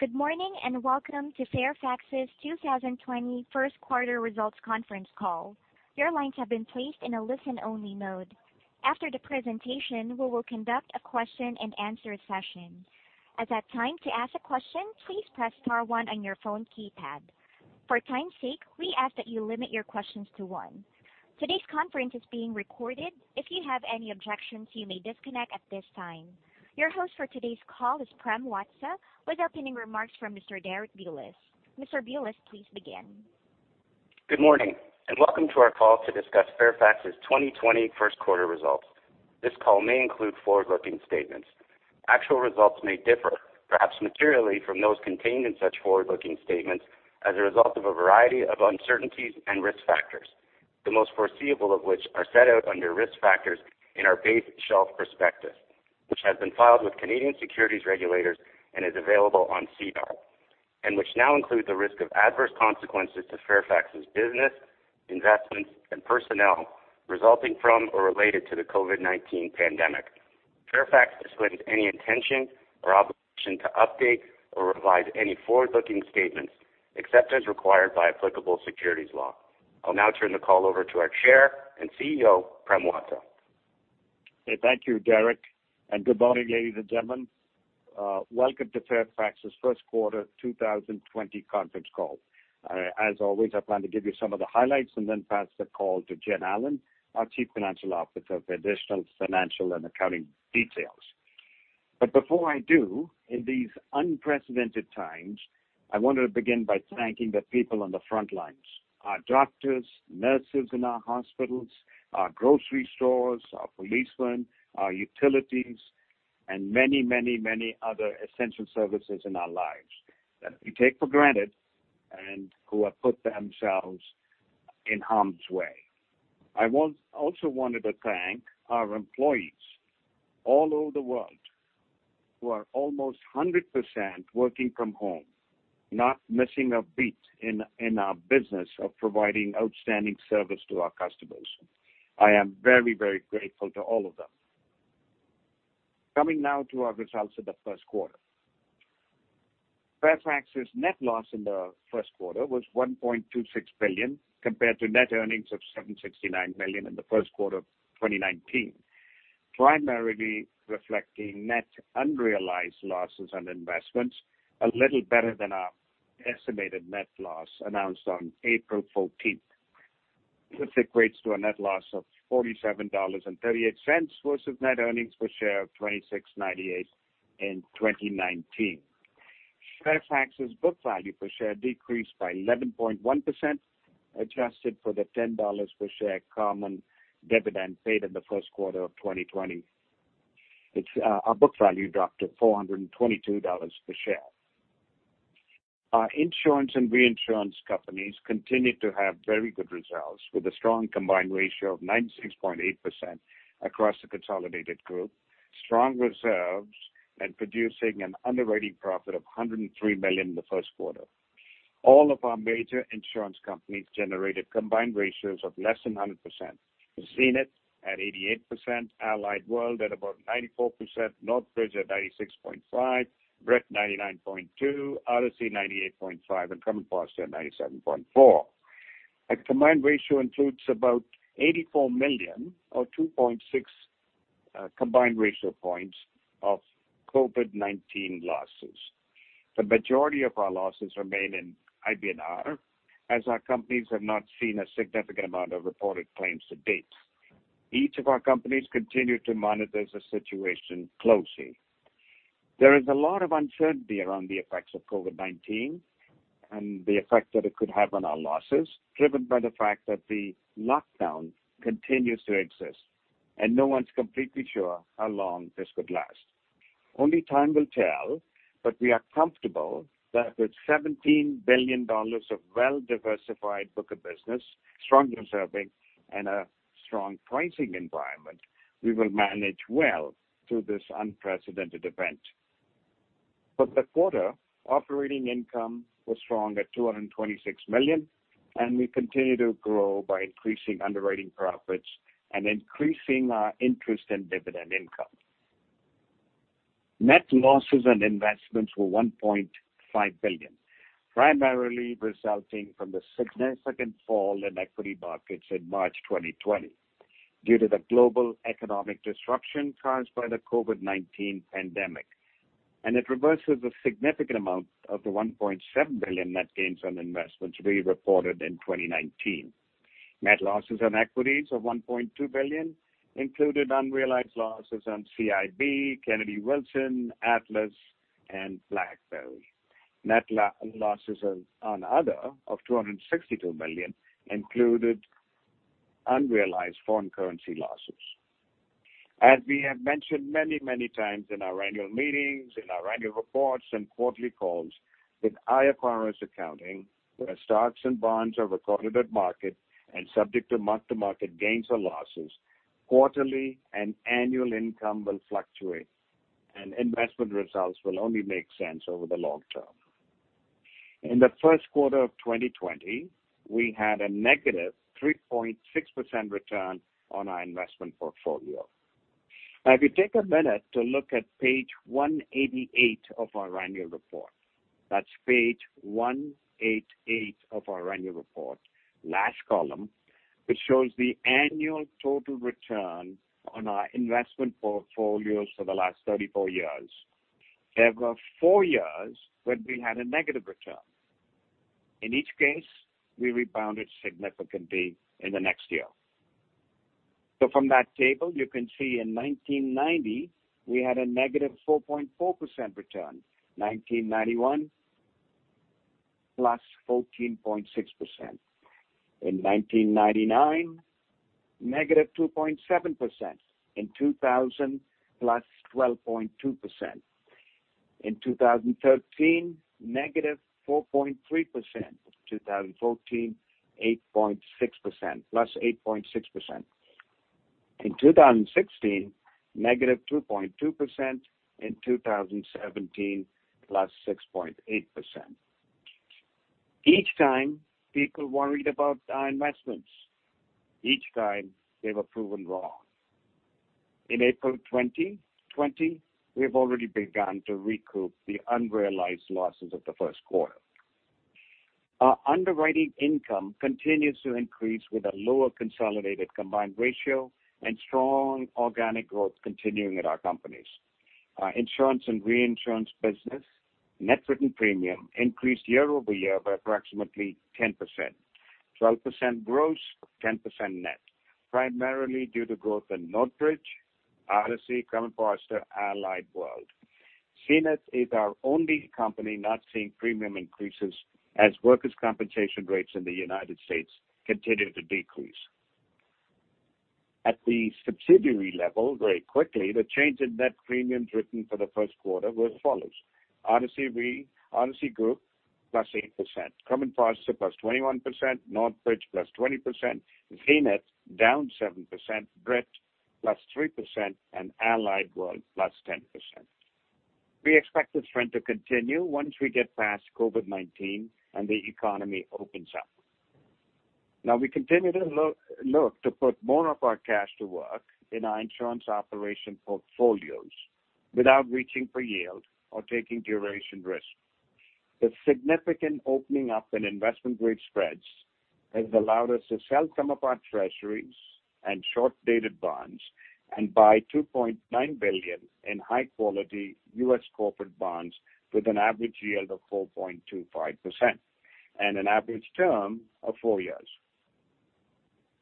Good morning, and welcome to Fairfax's 2020 first quarter results conference call. Your lines have been placed in a listen-only mode. After the presentation, we will conduct a question and answer session. At at time to ask a question, please press star one on your phone keypad. For time's sake, we ask that you limit your questions to one. Today's conference is being recorded. If you have any objections, you may disconnect at this time. Your host for today's call is Prem Watsa, with opening remarks from Mr. Derek Bulas. Mr. Bulas, please begin. Good morning, welcome to our call to discuss Fairfax's 2020 first quarter results. This call may include forward-looking statements. Actual results may differ, perhaps materially from those contained in such forward-looking statements as a result of a variety of uncertainties and risk factors, the most foreseeable of which are set out under risk factors in our base shelf prospectus, which has been filed with Canadian securities regulators and is available on SEDAR, and which now include the risk of adverse consequences to Fairfax's business, investments, and personnel resulting from or related to the COVID-19 pandemic. Fairfax disclaims any intention or obligation to update or revise any forward-looking statements, except as required by applicable securities law. I'll now turn the call over to our Chair and CEO, Prem Watsa. Thank you, Derek. Good morning, ladies and gentlemen. Welcome to Fairfax's first quarter 2020 conference call. As always, I plan to give you some of the highlights and then pass the call to Jenn Allen, our Chief Financial Officer, for additional financial and accounting details. Before I do, in these unprecedented times, I want to begin by thanking the people on the front lines, our doctors, nurses in our hospitals, our grocery stores, our policemen, our utilities, and many other essential services in our lives that we take for granted, and who have put themselves in harm's way. I also wanted to thank our employees all over the world who are almost 100% working from home, not missing a beat in our business of providing outstanding service to our customers. I am very grateful to all of them. Coming now to our results for the first quarter. Fairfax's net loss in the first quarter was $1.26 billion compared to net earnings of $769 million in the first quarter of 2019, primarily reflecting net unrealized losses on investments, a little better than our estimated net loss announced on April 14th, which equates to a net loss of $47.38, versus net earnings per share of $26.98 in 2019. Fairfax's book value per share decreased by 11.1%, adjusted for the $10 per share common dividend paid in the first quarter of 2020. Our book value dropped to $422 per share. Our insurance and reinsurance companies continued to have very good results with a strong combined ratio of 96.8% across the consolidated group, strong reserves, and producing an underwriting profit of $103 million in the first quarter. All of our major insurance companies generated combined ratios of less than 100%. We've seen it at 88%, Allied World at about 94%, Northbridge at 96.5%, Brit 99.2%, Odyssey 98.5%, and Crum & Forster at 97.4%. A combined ratio includes about $84 million or 2.6 combined ratio points of COVID-19 losses. The majority of our losses remain in IBNR, as our companies have not seen a significant amount of reported claims to date. Each of our companies continue to monitor the situation closely. There is a lot of uncertainty around the effects of COVID-19 and the effect that it could have on our losses, driven by the fact that the lockdown continues to exist, and no one's completely sure how long this could last. Only time will tell, but we are comfortable that with $17 billion of well-diversified book of business, strong reserving, and a strong pricing environment, we will manage well through this unprecedented event. For the quarter, operating income was strong at $226 million. We continue to grow by increasing underwriting profits and increasing our interest in dividend income. Net losses on investments were $1.5 billion, primarily resulting from the significant fall in equity markets in March 2020 due to the global economic disruption caused by the COVID-19 pandemic. It reverses a significant amount of the $1.7 billion net gains on investments we reported in 2019. Net losses on equities of $1.2 billion included unrealized losses on CIB, Kennedy Wilson, Atlas, and BlackBerry. Net losses on other, of $262 million, included unrealized foreign currency losses. As we have mentioned many times in our annual meetings, in our annual reports, and quarterly calls, with IFRS accounting, where stocks and bonds are recorded at market and subject to mark-to-market gains or losses, quarterly and annual income will fluctuate, and investment results will only make sense over the long term. In the first quarter of 2020, we had a -3.6% return on our investment portfolio. If you take a minute to look at page 188 of our Annual Report, that's page 188 of our Annual Report, last column, which shows the annual total return on our investment portfolios for the last 34 years. There were four years when we had a negative return. In each case, we rebounded significantly in the next year. From that table, you can see in 1990, we had a -4.4% return; 1991, +14.6%; in 1999, -2.7%. In 2000, +12.2%; in 2013, -4.3%; 2014, +8.6%; in 2016, -2.2%; in 2017, +6.8%. Each time, people worried about our investments. Each time, they were proven wrong. In April 2020, we have already begun to recoup the unrealized losses of the first quarter. Our underwriting income continues to increase with a lower consolidated combined ratio and strong organic growth continuing at our companies. Our insurance and reinsurance business net written premium increased year-over-year by approximately 10%, (12% gross, 10% net), primarily due to growth in Northbridge, Odyssey, Crum & Forster, Allied World. Zenith is our only company not seeing premium increases as workers' compensation rates in the U.S. continue to decrease. At the subsidiary level, very quickly, the change in net premiums written for the first quarter were as follows: Odyssey Re, Odyssey Group +8%; Crum & Forster +21%; Northbridge +20%; Zenith down 7%, Brit +3%; and Allied World +10%. We expect this trend to continue once we get past COVID-19 and the economy opens up. Now, we continue to look to put more of our cash to work in our insurance operation portfolios without reaching for yield or taking duration risk. The significant opening up in investment-grade spreads has allowed us to sell some of our treasuries and short-dated bonds and buy $2.9 billion in high-quality U.S. corporate bonds with an average yield of 4.25% and an average term of four years.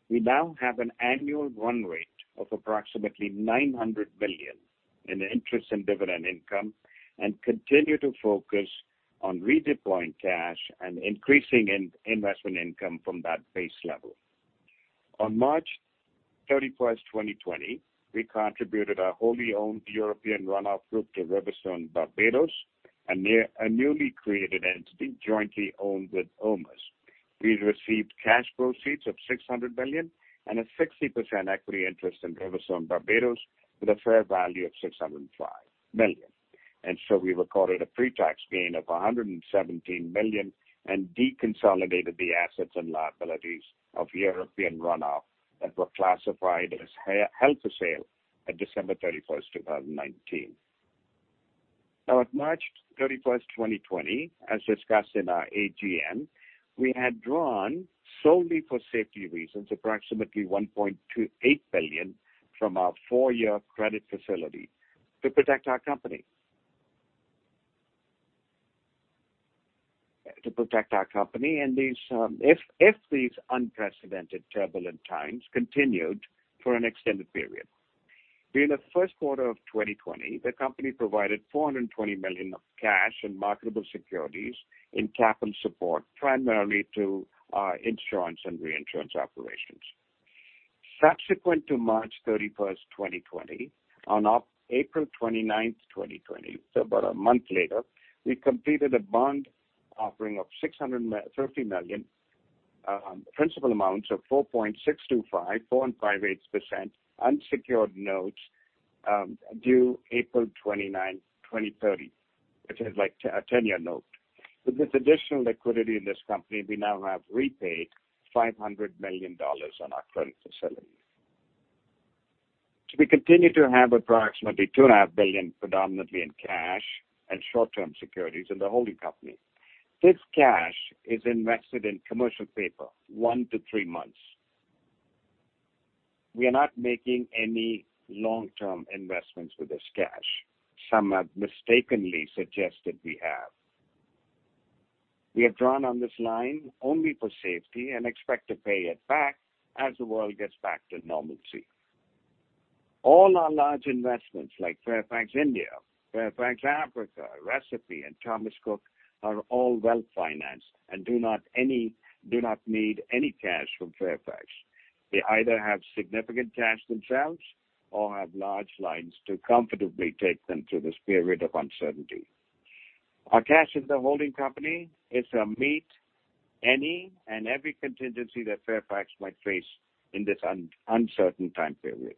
We now have an annual run rate of approximately $900 billion in interest and dividend income, and continue to focus on redeploying cash and increasing investment income from that base level. On March 31st, 2020, we contributed our wholly owned European Run-off group to RiverStone Barbados, a newly created entity jointly owned with OMERS. We received cash proceeds of $600 million and a 60% equity interest in RiverStone Barbados with a fair value of $605 million. We recorded a pre-tax gain of $117 million and deconsolidated the assets and liabilities of European Run-off that were classified as held for sale at December 31st, 2019. At March 31st, 2020, as discussed in our AGM, we had drawn solely for safety reasons approximately $1.28 billion from our four-year credit facility to protect our company and if these unprecedented, turbulent times continued for an extended period. During the first quarter of 2020, the company provided $420 million of cash and marketable securities in capital support primarily to our insurance and reinsurance operations. Subsequent to March 31st, 2020, on April 29th, 2020, so about a month later, we completed a bond offering of $650 million, principal amounts of 4.625%, 4.58% unsecured notes due April 29, 2030, which is like a 10-year note. With this additional liquidity in this company, we now have repaid $500 million on our credit facility. We continue to have approximately $2.5 billion predominantly in cash and short-term securities in the holding company. This cash is invested in commercial paper, one to three months. We are not making any long-term investments with this cash. Some have mistakenly suggested we have. We have drawn on this line only for safety and expect to pay it back as the world gets back to normalcy. All our large investments, like Fairfax India, Fairfax Africa, Recipe, and Thomas Cook, are all well-financed and do not need any cash from Fairfax. They either have significant cash themselves or have large lines to comfortably take them through this period of uncertainty. Our cash as a holding company is to meet any and every contingency that Fairfax might face in this uncertain time period.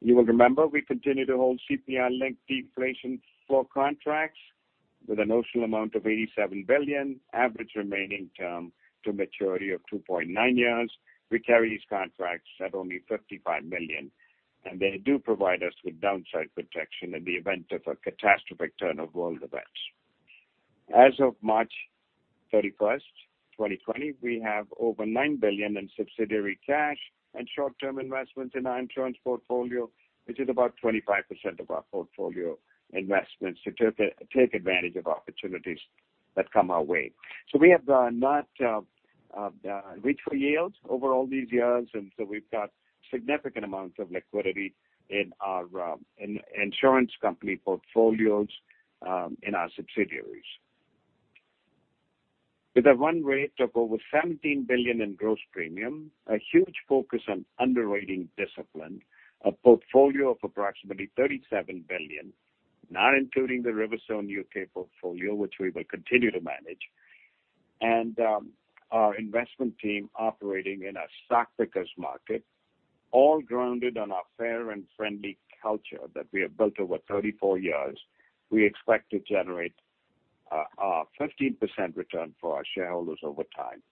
You will remember we continue to hold CPI-linked deflation floor contracts with a notional amount of $87 billion, average remaining term to maturity of 2.9 years. We carry these contracts at only $55 million, and they do provide us with downside protection in the event of a catastrophic turn of world events. As of March 31st, 2020, we have over $9 billion in subsidiary cash and short-term investments in our insurance portfolio, which is about 25% of our portfolio investments, to take advantage of opportunities that come our way. We have not reached for yields over all these years, and so we've got significant amounts of liquidity in our insurance company portfolios in our subsidiaries. With a run rate of over $17 billion in gross premium, a huge focus on underwriting discipline, a portfolio of approximately $37 billion, not including the RiverStone U.K. portfolio, which we will continue to manage, and our investment team operating in a stock picker's market, all grounded on our fair and friendly culture that we have built over 34 years, we expect to generate a 15% return for our shareholders over time.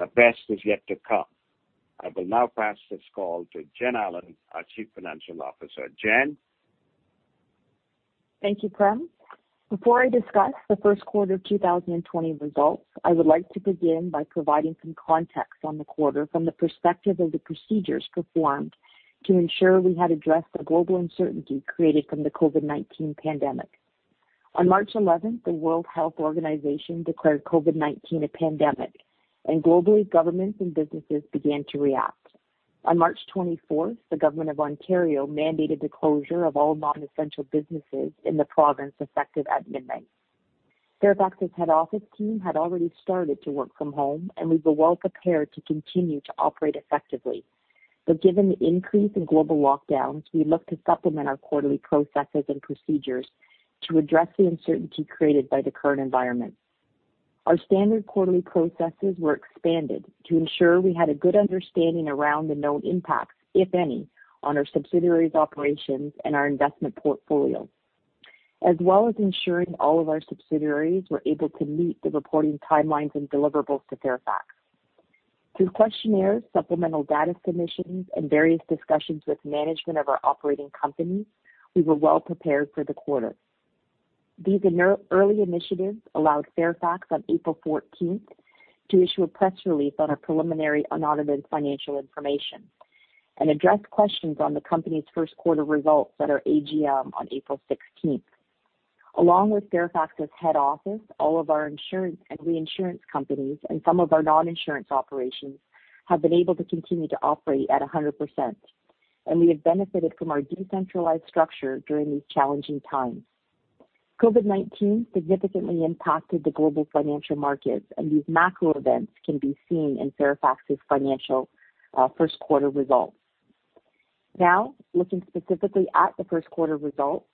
The best is yet to come. I will now pass this call to Jenn Allen, our Chief Financial Officer. Jenn? Thank you, Prem. Before I discuss the first quarter of 2020 results, I would like to begin by providing some context on the quarter from the perspective of the procedures performed to ensure we had addressed the global uncertainty created from the COVID-19 pandemic. On March 11th, the World Health Organization declared COVID-19 a pandemic. Globally, governments and businesses began to react. On March 24, the government of Ontario mandated the closure of all non-essential businesses in the province, effective at midnight. Fairfax's head office team had already started to work from home. We were well prepared to continue to operate effectively. Given the increase in global lockdowns, we looked to supplement our quarterly processes and procedures to address the uncertainty created by the current environment. Our standard quarterly processes were expanded to ensure we had a good understanding around the known impacts, if any, on our subsidiaries' operations and our investment portfolio, as well as ensuring all of our subsidiaries were able to meet the reporting timelines and deliverables to Fairfax. Through questionnaires, supplemental data submissions, and various discussions with management of our operating companies, we were well prepared for the quarter. These early initiatives allowed Fairfax on April 14th, to issue a press release on our preliminary unaudited financial information and address questions on the company's first quarter results at our AGM on April 16th. Along with Fairfax's head office, all of our insurance and reinsurance companies and some of our non-insurance operations have been able to continue to operate at 100%, and we have benefited from our decentralized structure during these challenging times. COVID-19 significantly impacted the global financial markets. These macro events can be seen in Fairfax's financial first quarter results. Now, looking specifically at the first quarter results.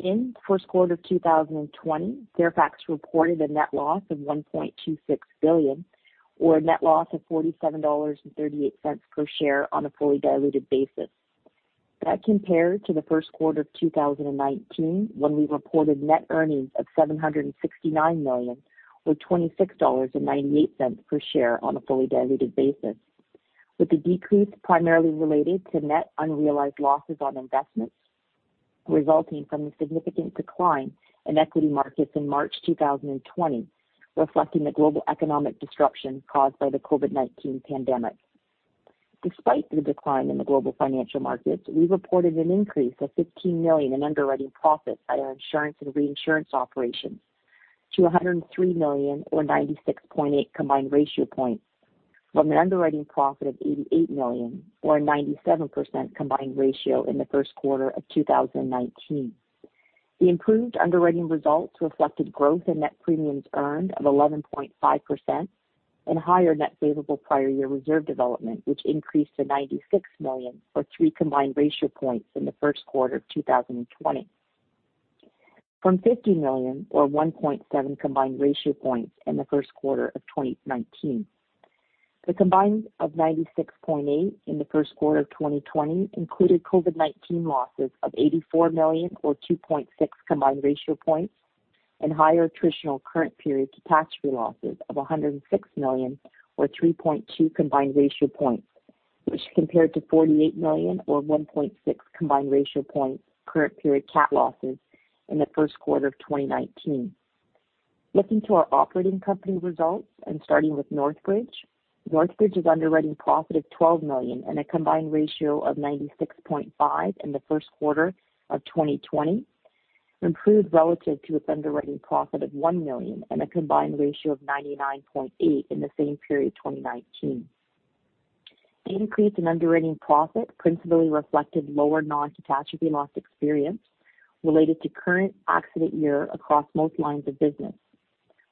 In the first quarter of 2020, Fairfax reported a net loss of $1.26 billion or a net loss of $47.38 per share on a fully diluted basis. That compared to the first quarter of 2019, when we reported net earnings of $769 million or $26.98 per share on a fully diluted basis, with the decrease primarily related to net unrealized losses on investments resulting from the significant decline in equity markets in March 2020, reflecting the global economic disruption caused by the COVID-19 pandemic. Despite the decline in the global financial markets, we reported an increase of $15 million in underwriting profits by our insurance and reinsurance operations to $103 million or 96.8 combined ratio points from an underwriting profit of $88 million or a 97% combined ratio in the first quarter of 2019. The improved underwriting results reflected growth in net premiums earned of 11.5% and higher net favorable prior year reserve development, which increased to $96 million or 3 combined ratio points in the first quarter of 2020, from $50 million or 1.7 combined ratio points in the first quarter of 2019. The combined ratio points of 96.8 in the first quarter of 2020 included COVID-19 losses of $84 million or 2.6 combined ratio points and higher attritional current period catastrophe losses of $106 million or 3.2 combined ratio points, which compared to $48 million or 1.6 combined ratio points current period cat losses in the first quarter of 2019. Looking to our operating company results and starting with Northbridge. Northbridge's underwriting profit of $12 million and a combined ratio of 96.5% in the first quarter of 2020 improved relative to its underwriting profit of $1 million and a combined ratio of 99.8% in the same period 2019. The increase in underwriting profit principally reflected lower non-catastrophe loss experience related to current accident year across most lines of business,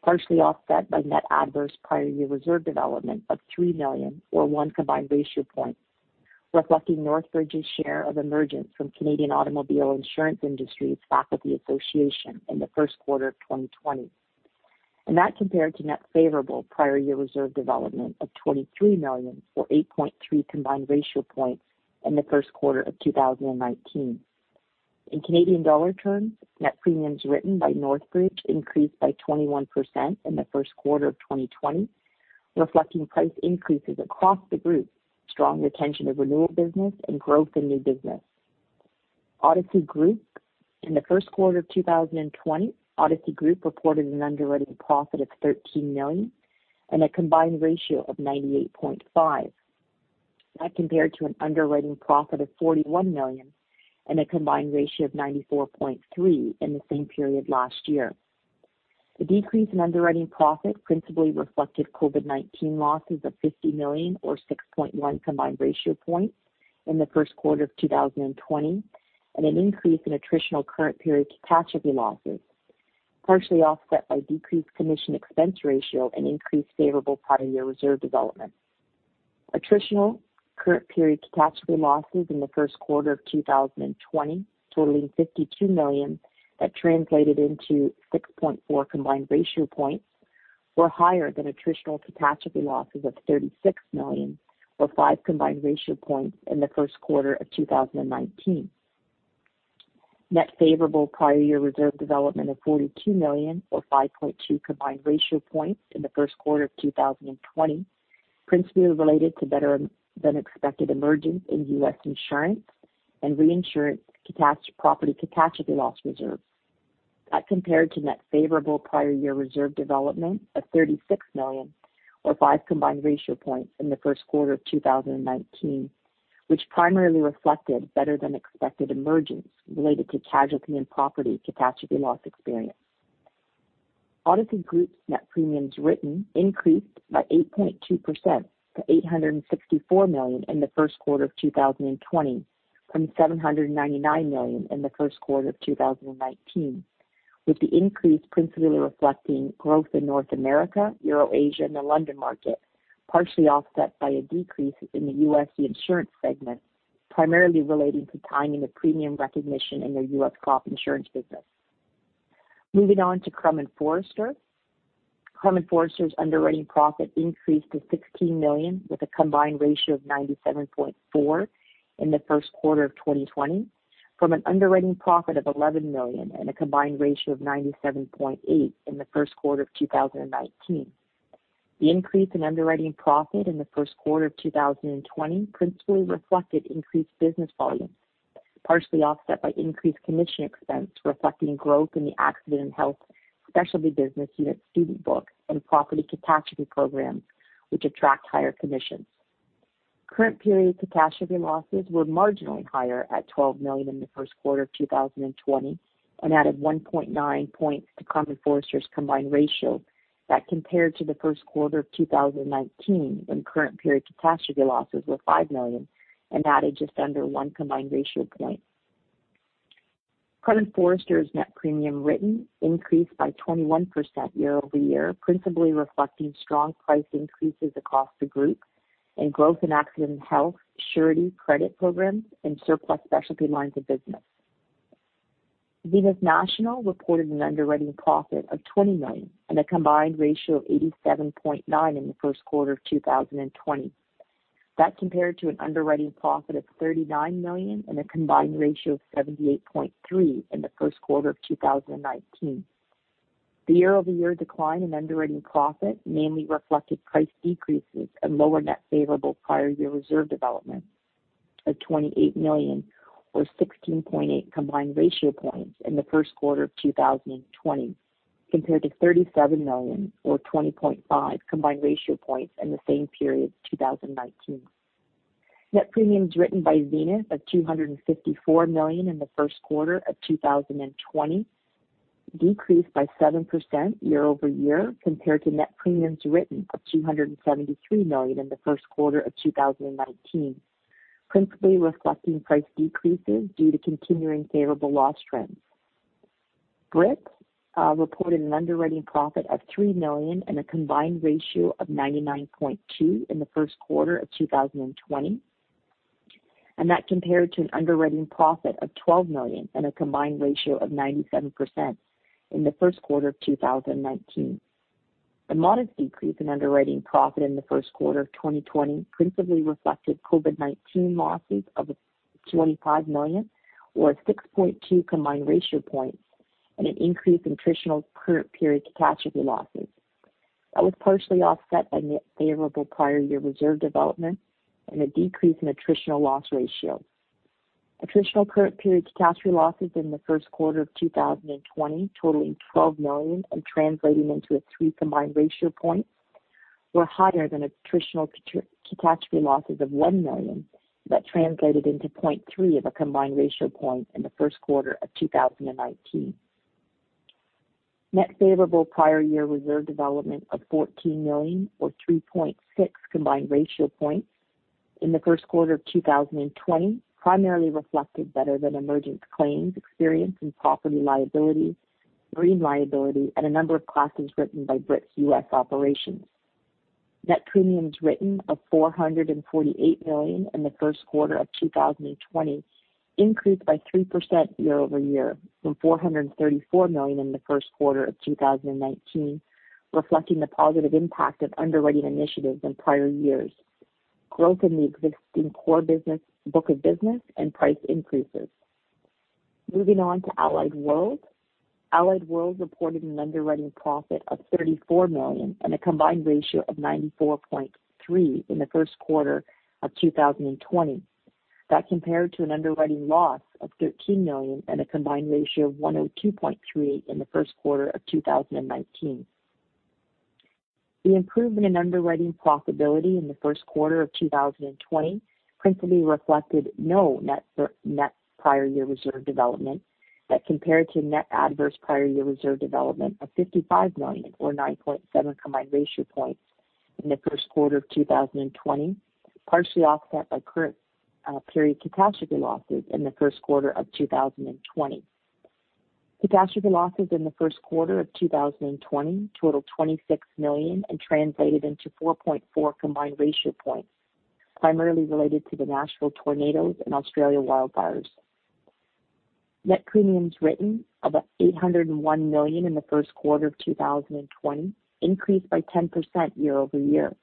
partially offset by net adverse prior year reserve development of $3 million or 1 combined ratio point, reflecting Northbridge's share of emergence from Canadian automobile insurance industry's Facility Association in the first quarter of 2020. That compared to net favorable prior year reserve development of $23 million or 8.3 combined ratio points in the first quarter of 2019. In Canadian dollar terms, net premiums written by Northbridge increased by 21% in the first quarter of 2020, reflecting price increases across the group, strong retention of renewal business, and growth in new business. Odyssey Group: In the first quarter of 2020, Odyssey Group reported an underwriting profit of $13 million and a combined ratio of 98.5%. That compared to an underwriting profit of $41 million and a combined ratio of 94.3% in the same period last year. The decrease in underwriting profit principally reflected COVID-19 losses of $50 million or 6.1 combined ratio points in the first quarter of 2020 and an increase in attritional current period catastrophe losses, partially offset by decreased commission expense ratio and increased favorable prior year reserve development. Attritional current period catastrophe losses in the first quarter of 2020, totaling $52 million that translated into 6.4 combined ratio points were higher than attritional catastrophe losses of $36 million or 5 combined ratio points in the first quarter of 2019. Net favorable prior year reserve development of $42 million or 5.2 combined ratio points in the first quarter of 2020, principally related to better than expected emergence in U.S. insurance and reinsurance property catastrophe loss reserves. That compared to net favorable prior year reserve development of $36 million or 5 combined ratio points in the first quarter of 2019, which primarily reflected better than expected emergence related to casualty and property catastrophe loss experience. Odyssey Group's net premiums written increased by 8.2% to $864 million in the first quarter of 2020 from $799 million in the first quarter of 2019, with the increase principally reflecting growth in North America, Euro Asia, and the London market, partially offset by a decrease in the U.S. reinsurance segment, primarily relating to timing of premium recognition in their U.S. crop insurance business. Moving on to Crum & Forster. Crum & Forster's underwriting profit increased to $16 million with a combined ratio of 97.4% in the first quarter of 2020 from an underwriting profit of $11 million and a combined ratio of 97.8% in the first quarter of 2019. The increase in underwriting profit in the first quarter of 2020 principally reflected increased business volume, partially offset by increased commission expense reflecting growth in the accident and health specialty business unit, student books, and property catastrophe programs, which attract higher commissions. Current period catastrophe losses were marginally higher at $12 million in the first quarter of 2020 and added 1.9 points to Crum & Forster's combined ratio. That compared to the first quarter of 2019, when current period catastrophe losses were $5 million and added just under 1 combined ratio point. Crum & Forster's net premium written increased by 21% year-over-year, principally reflecting strong price increases across the group and growth in accident health, surety credit programs, and surplus specialty lines of business. Zenith National reported an underwriting profit of $20 million and a combined ratio of 87.9% in the first quarter of 2020. That compared to an underwriting profit of $39 million and a combined ratio of 78.3% in the first quarter of 2019. The year-over-year decline in underwriting profit mainly reflected price decreases and lower net favorable prior year reserve development of $28 million or 16.8 combined ratio points in the first quarter of 2020 compared to $37 million or 20.5 combined ratio points in the same period 2019. Net premiums written by Zenith of $254 million in the first quarter of 2020 decreased by 7% year-over-year compared to net premiums written of $273 million in the first quarter of 2019, principally reflecting price decreases due to continuing favorable loss trends. Brit reported an underwriting profit of $3 million and a combined ratio of 99.2% in the first quarter of 2020. That compared to an underwriting profit of $12 million and a combined ratio of 97% in the first quarter of 2019. The modest decrease in underwriting profit in the first quarter of 2020 principally reflected COVID-19 losses of $25 million or 6.2 combined ratio points and an increase in attritional current period catastrophe losses. That was partially offset by net favorable prior year reserve development and a decrease in attritional loss ratio. Attritional current period catastrophe losses in the first quarter of 2020, totaling $12 million and translating into 3 combined ratio points, were higher than attritional catastrophe losses of $1 million that translated into 0.3 of a combined ratio point in the first quarter of 2019. Net favorable prior year reserve development of $14 million or 3.6 combined ratio points in the first quarter of 2020 primarily reflected better than emergence claims experience in property liability, marine liability, and a number of classes written by Brit's U.S. operations. Net premiums written of $448 million in the first quarter of 2020 increased by 3% year-over-year from $434 million in the first quarter of 2019, reflecting the positive impact of underwriting initiatives in prior years, growth in the existing core book of business and price increases. Moving on to Allied World. Allied World reported an underwriting profit of $34 million and a combined ratio of 94.3% in the first quarter of 2020. That compared to an underwriting loss of $13 million and a combined ratio of 102.3% in the first quarter of 2019. The improvement in underwriting profitability in the first quarter of 2020 principally reflected no net prior year reserve development, that compared to net adverse prior year reserve development of $55 million, or 9.7 combined ratio points in the first quarter of 2020, partially offset by current period casualty losses in the first quarter of 2020. Catastrophe losses in the first quarter of 2020 totaled $26 million and translated into 4.4 combined ratio points, primarily related to the Nashville tornadoes and Australia wildfires. Net premiums written of $801 million in the first quarter of 2020 increased by 10% year-over-year,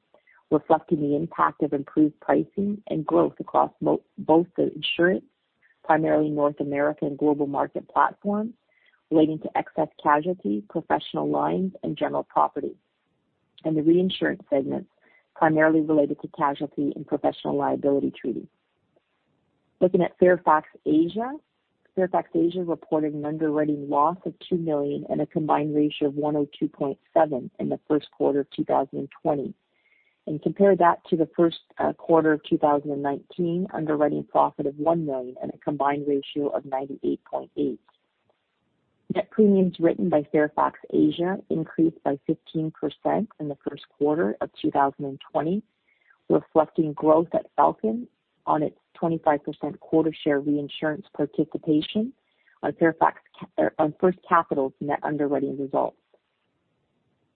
reflecting the impact of improved pricing and growth across both the insurance, primarily North American global market platforms relating to excess casualty, professional lines, and general property, and the reinsurance segments primarily related to casualty and professional liability treaties. Looking at Fairfax Asia. Fairfax Asia reported an underwriting loss of $2 million and a combined ratio of 102.7% in the first quarter of 2020. Compare that to the first quarter of 2019 underwriting profit of $1 million and a combined ratio of 98.8%. Net premiums written by Fairfax Asia increased by 15% in the first quarter of 2020, reflecting growth at Falcon on its 25% quota share reinsurance participation on First Capital's net underwriting results.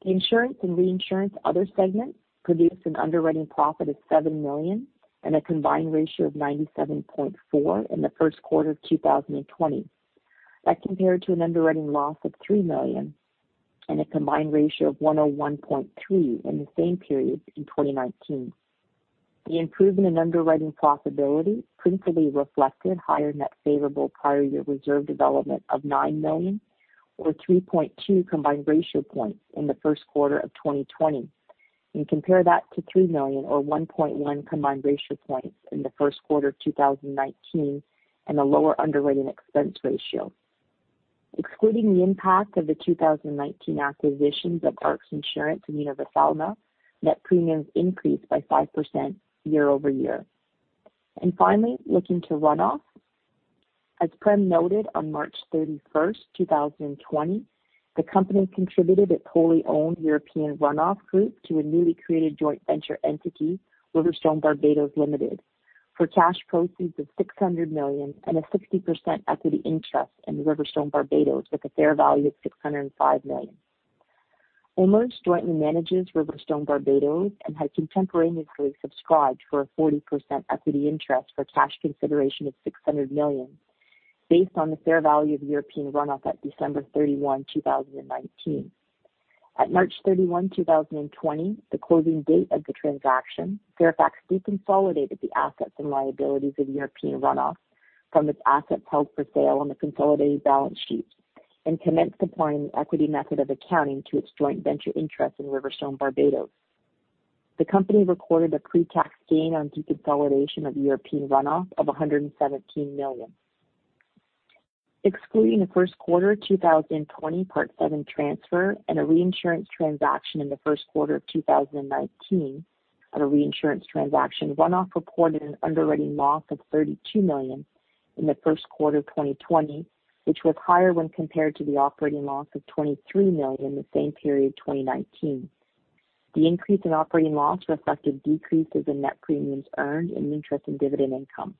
The insurance and reinsurance other segments produced an underwriting profit of $7 million and a combined ratio of 97.4% in the first quarter of 2020. That compared to an underwriting loss of $3 million and a combined ratio of 101.3% in the same period in 2019. The improvement in underwriting profitability principally reflected higher net favorable prior year reserve development of $9 million or 3.2 combined ratio points in the first quarter of 2020. Compare that to $3 million or 1.1 combined ratio points in the first quarter of 2019 and a lower underwriting expense ratio. Excluding the impact of the 2019 acquisitions of ARX Insurance and Universalna, net premiums increased by 5% year-over-year. Finally, looking to Run-off. As Prem noted, on March 31st, 2020, the company contributed its wholly owned European Run-off group to a newly created joint venture entity, RiverStone Barbados Limited, for cash proceeds of $600 million and a 60% equity interest in RiverStone Barbados with a fair value of $605 million. OMERS jointly manages RiverStone Barbados and had contemporaneously subscribed for a 40% equity interest for cash consideration of $600 million, based on the fair value of European Run-off at December 31, 2019. At March 31, 2020, the closing date of the transaction, Fairfax deconsolidated the assets and liabilities of European Run-off from its assets held for sale on the consolidated balance sheet and commenced applying the equity method of accounting to its joint venture interest in RiverStone Barbados. The company recorded a pretax gain on deconsolidation of European Run-off of $117 million. Excluding the first quarter of 2020 Part VII transfer and a reinsurance transaction in the first quarter of 2019 on a reinsurance transaction, Run-off reported an underwriting loss of $32 million in the first quarter of 2020, which was higher when compared to the operating loss of $23 million in the same period 2019. The increase in operating loss reflected decreases in net premiums earned and interest and dividend income.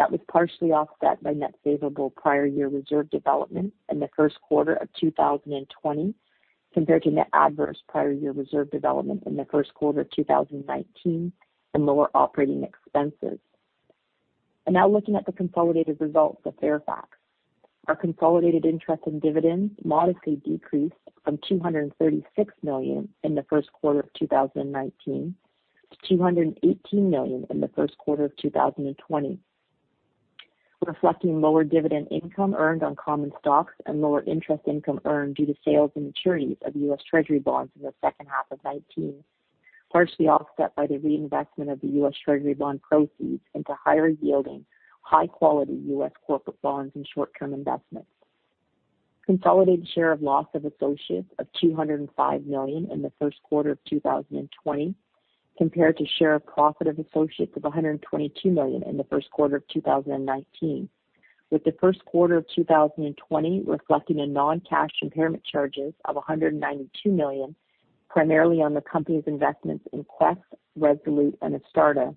That was partially offset by net favorable prior year reserve development in the first quarter of 2020 compared to net adverse prior year reserve development in the first quarter of 2019 and lower operating expenses. Now, looking at the consolidated results of Fairfax. Our consolidated interest and dividends modestly decreased from $236 million in the first quarter of 2019 to $218 million in the first quarter of 2020, reflecting lower dividend income earned on common stocks and lower interest income earned due to sales and maturities of U.S. treasury bonds in the second half of 2019, partially offset by the reinvestment of the U.S. treasury bond proceeds into higher yielding, high quality U.S. corporate bonds and short-term investments. Consolidated share of loss of associates of $205 million in the first quarter of 2020 compared to share of profit of associates of $122 million in the first quarter of 2019, with the first quarter of 2020 reflecting a non-cash impairment charges of $192 million, primarily on the company's investments in Quess, Resolute, and Astarta.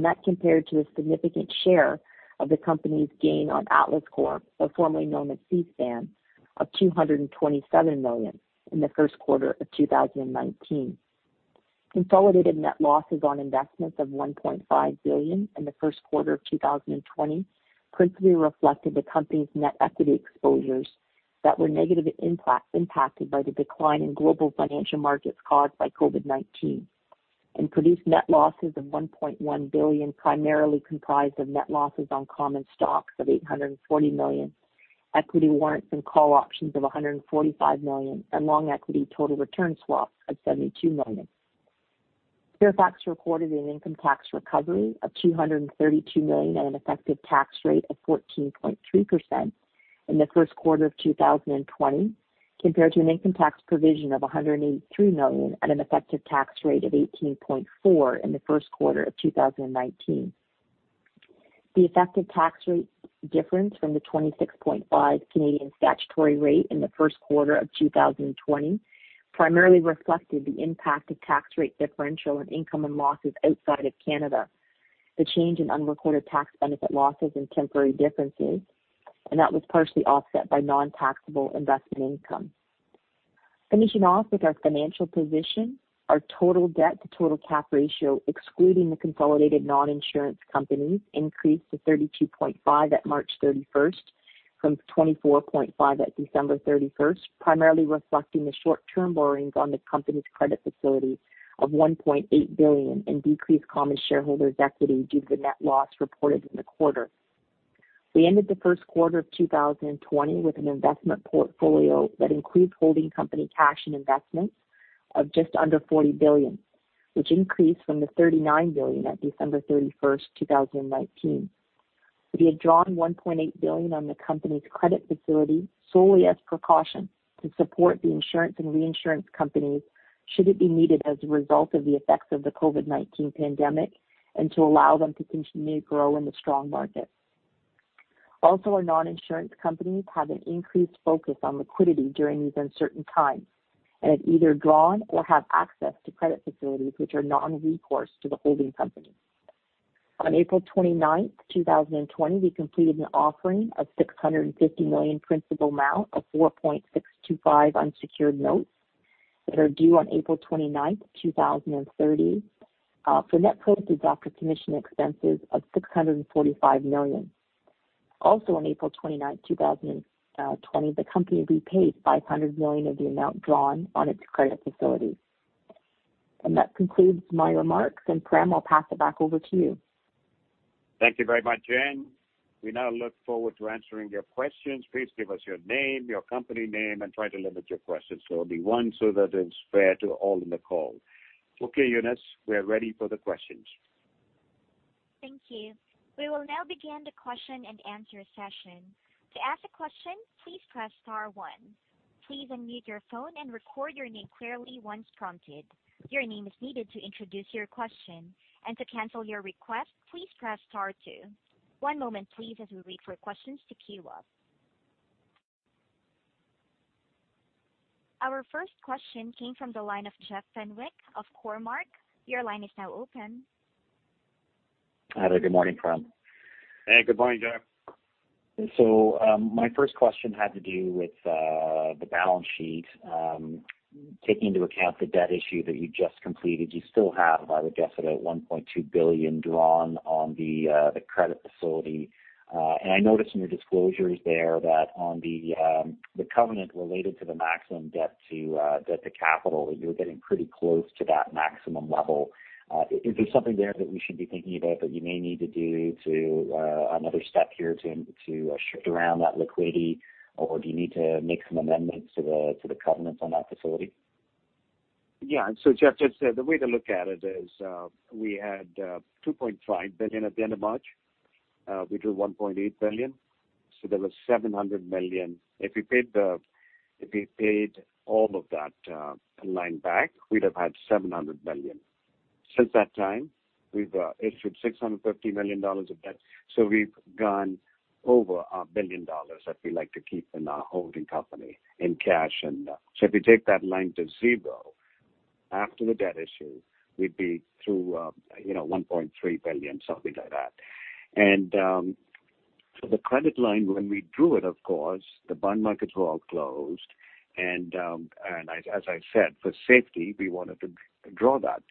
That compared to a significant share of the company's gain on Atlas Corp., formerly known as Seaspan, of $227 million in the first quarter of 2019. Consolidated net losses on investments of $1.5 billion in the first quarter of 2020 principally reflected the company's net equity exposures that were negatively impacted by the decline in global financial markets caused by COVID-19 and produced net losses of $1.1 billion, primarily comprised of net losses on common stocks of $840 million, equity warrants and call options of $145 million, and long equity total return swaps of $72 million. Fairfax recorded an income tax recovery of $232 million at an effective tax rate of 14.3% in the first quarter of 2020, compared to an income tax provision of $183 million at an effective tax rate of 18.4% in the first quarter of 2019. The effective tax rate difference from the 26.5% Canadian statutory rate in the first quarter of 2020 primarily reflected the impact of tax rate differential on income and losses outside of Canada, the change in unreported tax benefit losses and temporary differences, and that was partially offset by non-taxable investment income. Finishing off with our financial position, our total debt to total cap ratio, excluding the consolidated non-insurance companies, increased to 32.5% at March 31st from 24.5% at December 31st, primarily reflecting the short-term borrowings on the company's credit facility of $1.8 billion in decreased common shareholders' equity due to the net loss reported in the quarter. We ended the first quarter of 2020 with an investment portfolio that includes holding company cash and investments of just under $40 billion, which increased from the $39 billion at December 31st, 2019. We had drawn $1.8 billion on the company's credit facility solely as precaution to support the insurance and reinsurance companies should it be needed as a result of the effects of the COVID-19 pandemic, and to allow them to continue to grow in the strong markets. Our non-insurance companies have an increased focus on liquidity during these uncertain times and have either drawn or have access to credit facilities which are non-recourse to the holding company. On April 29th, 2020, we completed an offering of $650 million principal amount of 4.625% unsecured notes that are due on April 29th, 2030, for net proceeds after commission expenses of $645 million. On April 29th, 2020, the company repaid $500 million of the amount drawn on its credit facility. That concludes my remarks, and Prem, I'll pass it back over to you. Thank you very much, Jenn. We now look forward to answering your questions. Please give us your name, your company name, and try to limit your questions to only one so that it is fair to all in the call. Okay, Eunice, we are ready for the questions. Thank you. We will now begin the question and answer session. To ask a question, please press star one. Please unmute your phone and record your name clearly once prompted. Your name is needed to introduce your question. To cancel your request, please press star two. One moment, please, as we wait for questions to queue up. Our first question came from the line of Jeff Fenwick of Cormark. Your line is now open. Hi there. Good morning, Prem. Hey, good morning, Jeff. My first question had to do with the balance sheet. Taking into account the debt issue that you just completed, you still have, I would guess, about $1.2 billion drawn on the credit facility. I noticed in your disclosures there that on the covenant related to the maximum debt to capital, that you're getting pretty close to that maximum level. Is there something there that we should be thinking about that you may need to do to another step here to shift around that liquidity? Do you need to make some amendments to the covenants on that facility? Yeah. Jeff, the way to look at it is we had $2.5 billion at the end of March. We drew $1.8 billion. There was $700 million. If we paid all of that line back, we'd have had $700 million. Since that time, we've issued $650 million of debt. We've gone over $1 billion that we like to keep in our holding company in cash. If we take that line to zero after the debt issue, we'd be through $1.3 billion, something like that. The credit line, when we drew it, of course, the bond markets were all closed. As I said, for safety, we wanted to draw that.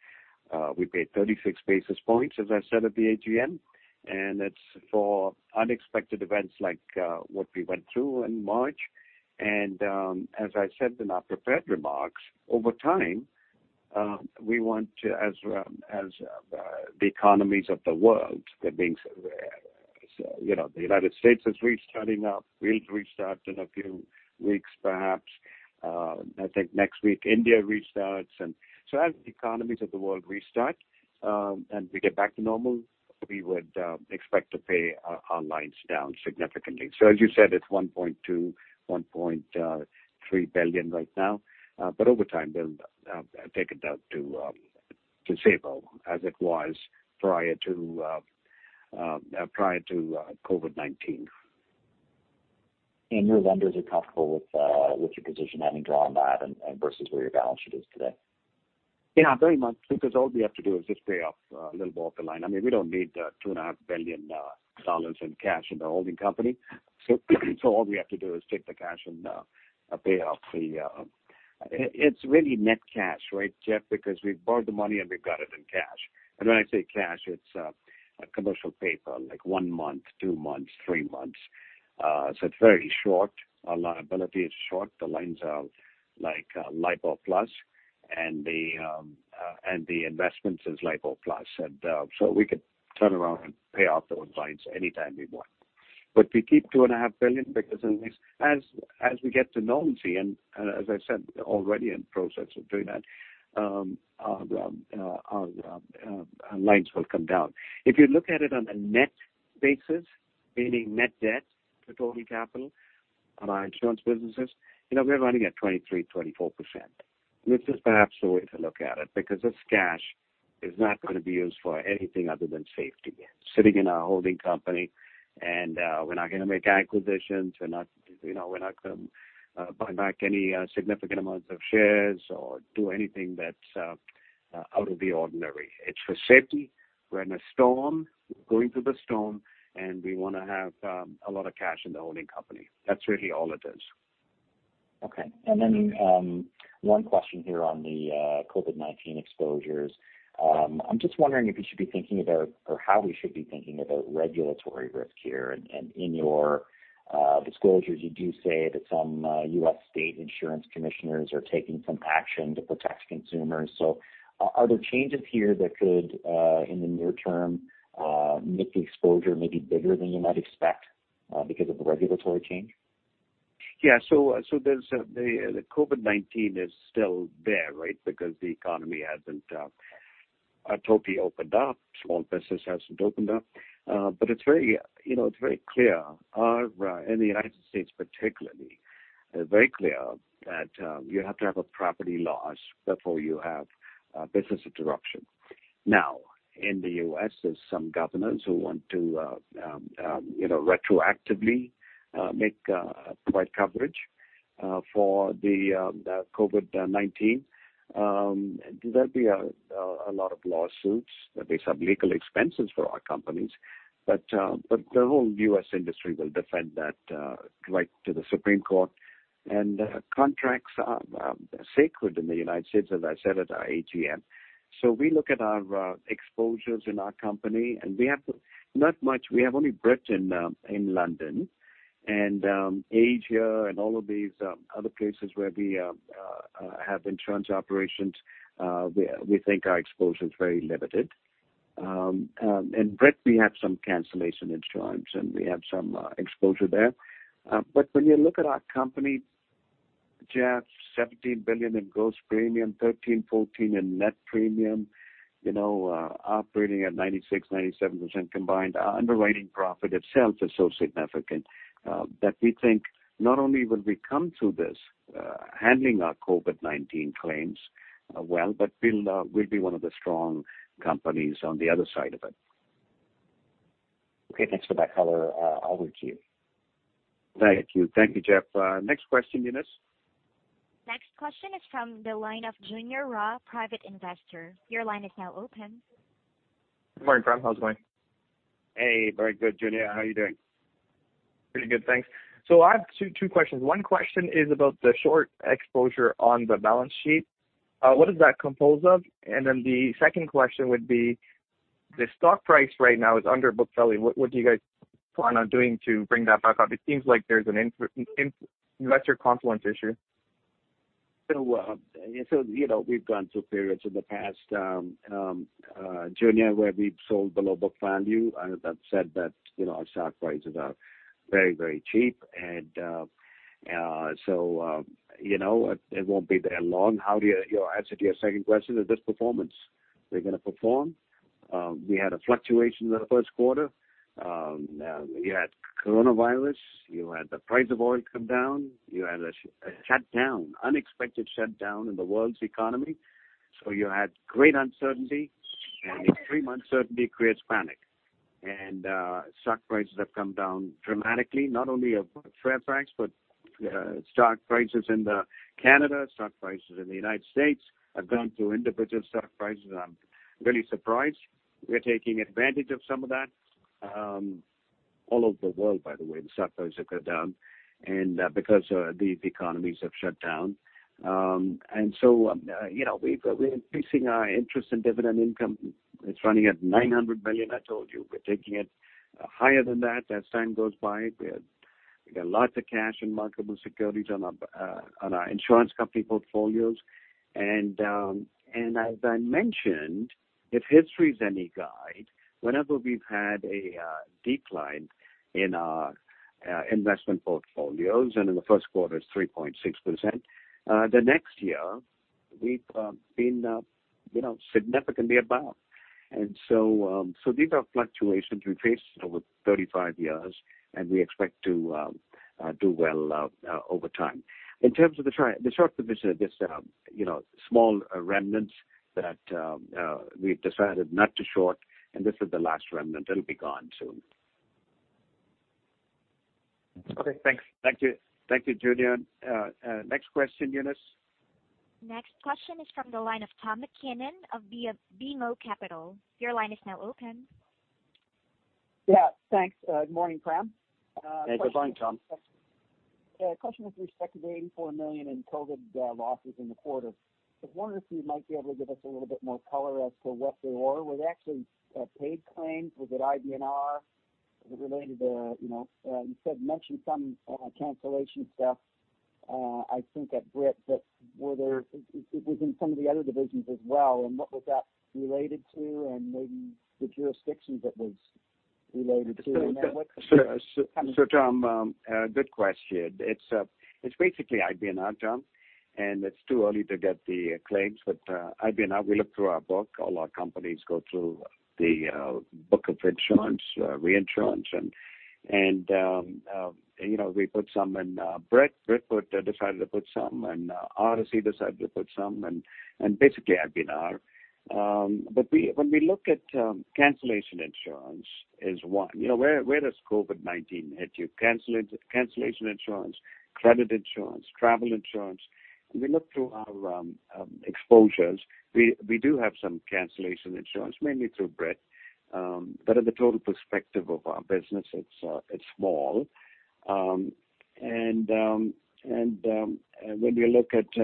We paid 36 basis points, as I said, at the AGM, and it's for unexpected events like what we went through in March. As I said in our prepared remarks, over time, we want to, as the economies of the world, the U.S. has restarted now, we'll restart in a few weeks perhaps. I think next week India restart. As the economies of the world restart, and we get back to normal, we would expect to pay our lines down significantly. As you said, it's $1.2 billion, $1.3 billion right now, but over time, we'll take it down to zero as it was prior to COVID-19. Your lenders are comfortable with your position, having drawn that, and versus where your balance sheet is today? Yeah, very much, because all we have to do is just pay off a little bit off the line. We don't need $2.5 billion in cash in the holding company. All we have to do is take the cash and pay off. It's really net cash, right, Jeff? We've borrowed the money, and we've got it in cash. When I say cash, it's a commercial paper, like one month, two months, three months. It's very short. Our liability is short. The lines are like LIBOR-plus, and the investment is LIBOR-plus. We could turn around and pay off those lines anytime we want. We keep $2.5 billion because, as we get to normalcy, and as I said, we're already in the process of doing that, our lines will come down. If you look at it on a net basis, meaning net debt to total capital of our insurance businesses, we're running at 23%, 24%. This is perhaps the way to look at it, because this cash is not going to be used for anything other than safety. It's sitting in our holding company, and we're not going to make acquisitions. We're not going to buy back any significant amounts of shares or do anything that's out of the ordinary. It's for safety. We're in a storm, going through the storm, and we want to have a lot of cash in the holding company. That's really all it is. Okay. One question here on the COVID-19 exposures. I am just wondering if you should be thinking about, or how we should be thinking about, regulatory risk here. In your disclosures, you do say that some U.S. state insurance commissioners are taking some action to protect consumers. Are there changes here that could, in the near term, make the exposure maybe bigger than you might expect because of the regulatory change? Yeah. The COVID-19 is still there, right? The economy hasn't totally opened up. Small business hasn't opened up. It's very clear, in the United States particularly, very clear that you have to have a property loss before you have business interruption. Now, in the U.S., there's some governors who want to retroactively make coverage for the COVID-19. There'll be a lot of lawsuits. There'll be some legal expenses for our companies. The whole U.S. industry will defend that right to the Supreme Court, and contracts are sacred in the United States, as I said at our AGM. We look at our exposures in our company, and we have not much. We have only Brit in London and Fairfax Asia, and all of these other places where we have insurance operations. We think our exposure is very limited. In Brit, we have some cancellation insurance and we have some exposure there. When you look at our company, Jeff, $17 billion in gross premium, $13 billion, $14 billion in net premium, operating at 96%, 97% combined. Our underwriting profit itself is so significant that we think not only will we come through this handling our COVID-19 claims well, but we'll be one of the strong companies on the other side of it. Okay. Thanks for that color, over to you. Thank you. Thank you, Jeff. Next question, Eunice. Next question is from the line of Junior Ra, private investor. Your line is now open. Good morning, Prem. How's it going? Hey, very good, Junior. How are you doing? Pretty good, thanks. I have two questions. One question is about the short exposure on the balance sheet. What is that composed of? The second question would be, the stock price right now is under book value. What do you guys plan on doing to bring that back up? It seems like there's an investor confidence issue? We've gone through periods in the past, Junior, where we've sold below book value. That said, that our stock prices are very cheap, so it won't be there long. Your answer to your second question is just performance. We're going to perform. We had a fluctuation in the first quarter. You had coronavirus; you had the price of oil come down. You had a shutdown, unexpected shutdown in the world's economy. You had great uncertainty, and extreme uncertainty creates panic. Stock prices have come down dramatically, not only of Fairfax, but stock prices in Canada, stock prices in the United States have gone through individual stock prices, and I'm really surprised. We're taking advantage of some of that. All over the world, by the way, the stock prices have gone down, because the economies have shut down. We're increasing our interest in dividend income. It's running at $900 billion. I told you, we're taking it higher than that as time goes by. We got lots of cash and marketable securities on our insurance company portfolios. As I mentioned, if history is any guide, whenever we've had a decline in our investment portfolios, and in the first quarter, it's 3.6%, the next year, we've been significantly above. These are fluctuations we've faced over 35 years, and we expect to do well over time. In terms of the short position, this small remnants that we've decided not to short, this is the last remnant. It'll be gone soon. Okay, thanks. Thank you, Junior. Next question, Eunice. Next question is from the line of Tom MacKinnon of BMO Capital. Your line is now open. Yeah, thanks. Good morning, Prem. Hey, good morning, Tom. A question with respect to $84 million in COVID losses in the quarter. I was wondering if you might be able to give us a little bit more color as to what they were. Were they actually paid claims? Was it IBNR-related? You mentioned some cancellation stuff, I think at Brit, but it was in some of the other divisions as well. What was that related to, and maybe the jurisdictions it was related to? Tom, good question. It's basically IBNR, Tom, and it's too early to get the claims. IBNR, we look through our book. All our companies go through the book of insurance, reinsurance, we put some in Brit. Brit decided to put some, Odyssey decided to put some, basically IBNR. When we look at cancellation insurance is one. Where does COVID-19 hit you? Cancellation insurance, credit insurance, travel insurance. We look through our exposures. We do have some cancellation insurance, mainly through Brit. In the total perspective of our business, it's small. When we look at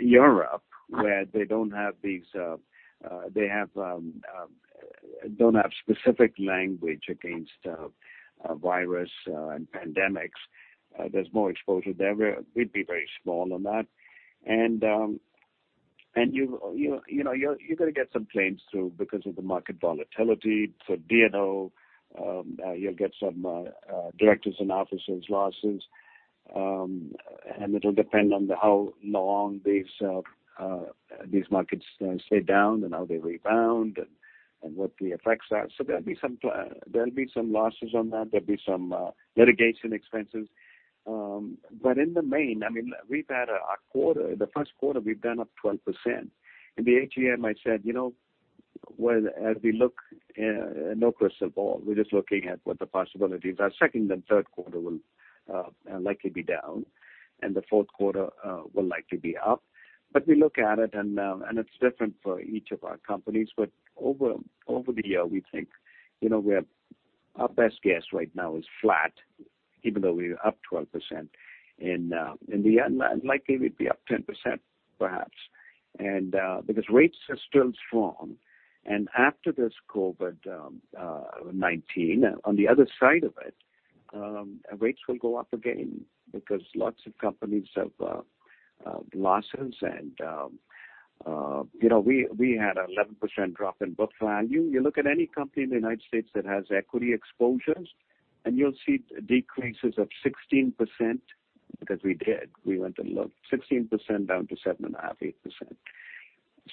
Europe, where they don't have specific language against viruses and pandemics, there's more exposure there. We'd be very small on that. You're going to get some claims through because of the market volatility. D&O, you'll get some directors and officers losses, and it'll depend on how long these markets stay down, and how they rebound, and what the effects are. There'll be some losses on that. There'll be some litigation expenses. In the main, the first quarter, we've been up 12%. In the AGM, I said, "No crystal ball, we're just looking at what the possibilities are." Second and third quarter will likely be down, and the fourth quarter will likely be up. We look at it, and it's different for each of our companies. Over the year, our best guess right now is flat, even though we're up 12%. In the end, likely we'd be up 10%, perhaps. Rates are still strong, and after this COVID-19, on the other side of it, rates will go up again because lots of companies have losses. We had an 11% drop in book value. You look at any company in the U.S. that has equity exposures, and you'll see decreases of 16%, because we did. We went and looked, 16% down to 7.5%, 8%.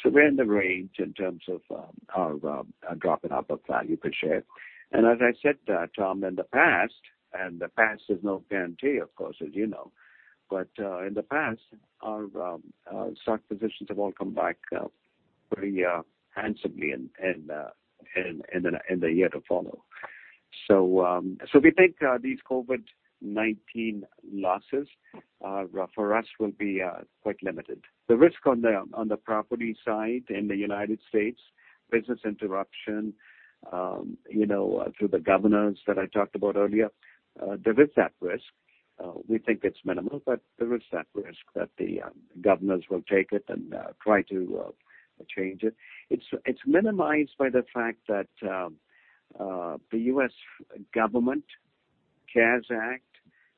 We're in the range in terms of our drop in book value per share. As I said, Tom, in the past, and the past is no guarantee, of course, as you know. In the past, our stock positions have all come back pretty handsomely in the year to follow. We think these COVID-19 losses for us will be quite limited. The risk on the property side in the United States, business interruption through the governors that I talked about earlier, there is that risk. We think it's minimal, but there is that risk that the governors will take it and try to change it. It's minimized by the fact that the U.S. government CARES Act,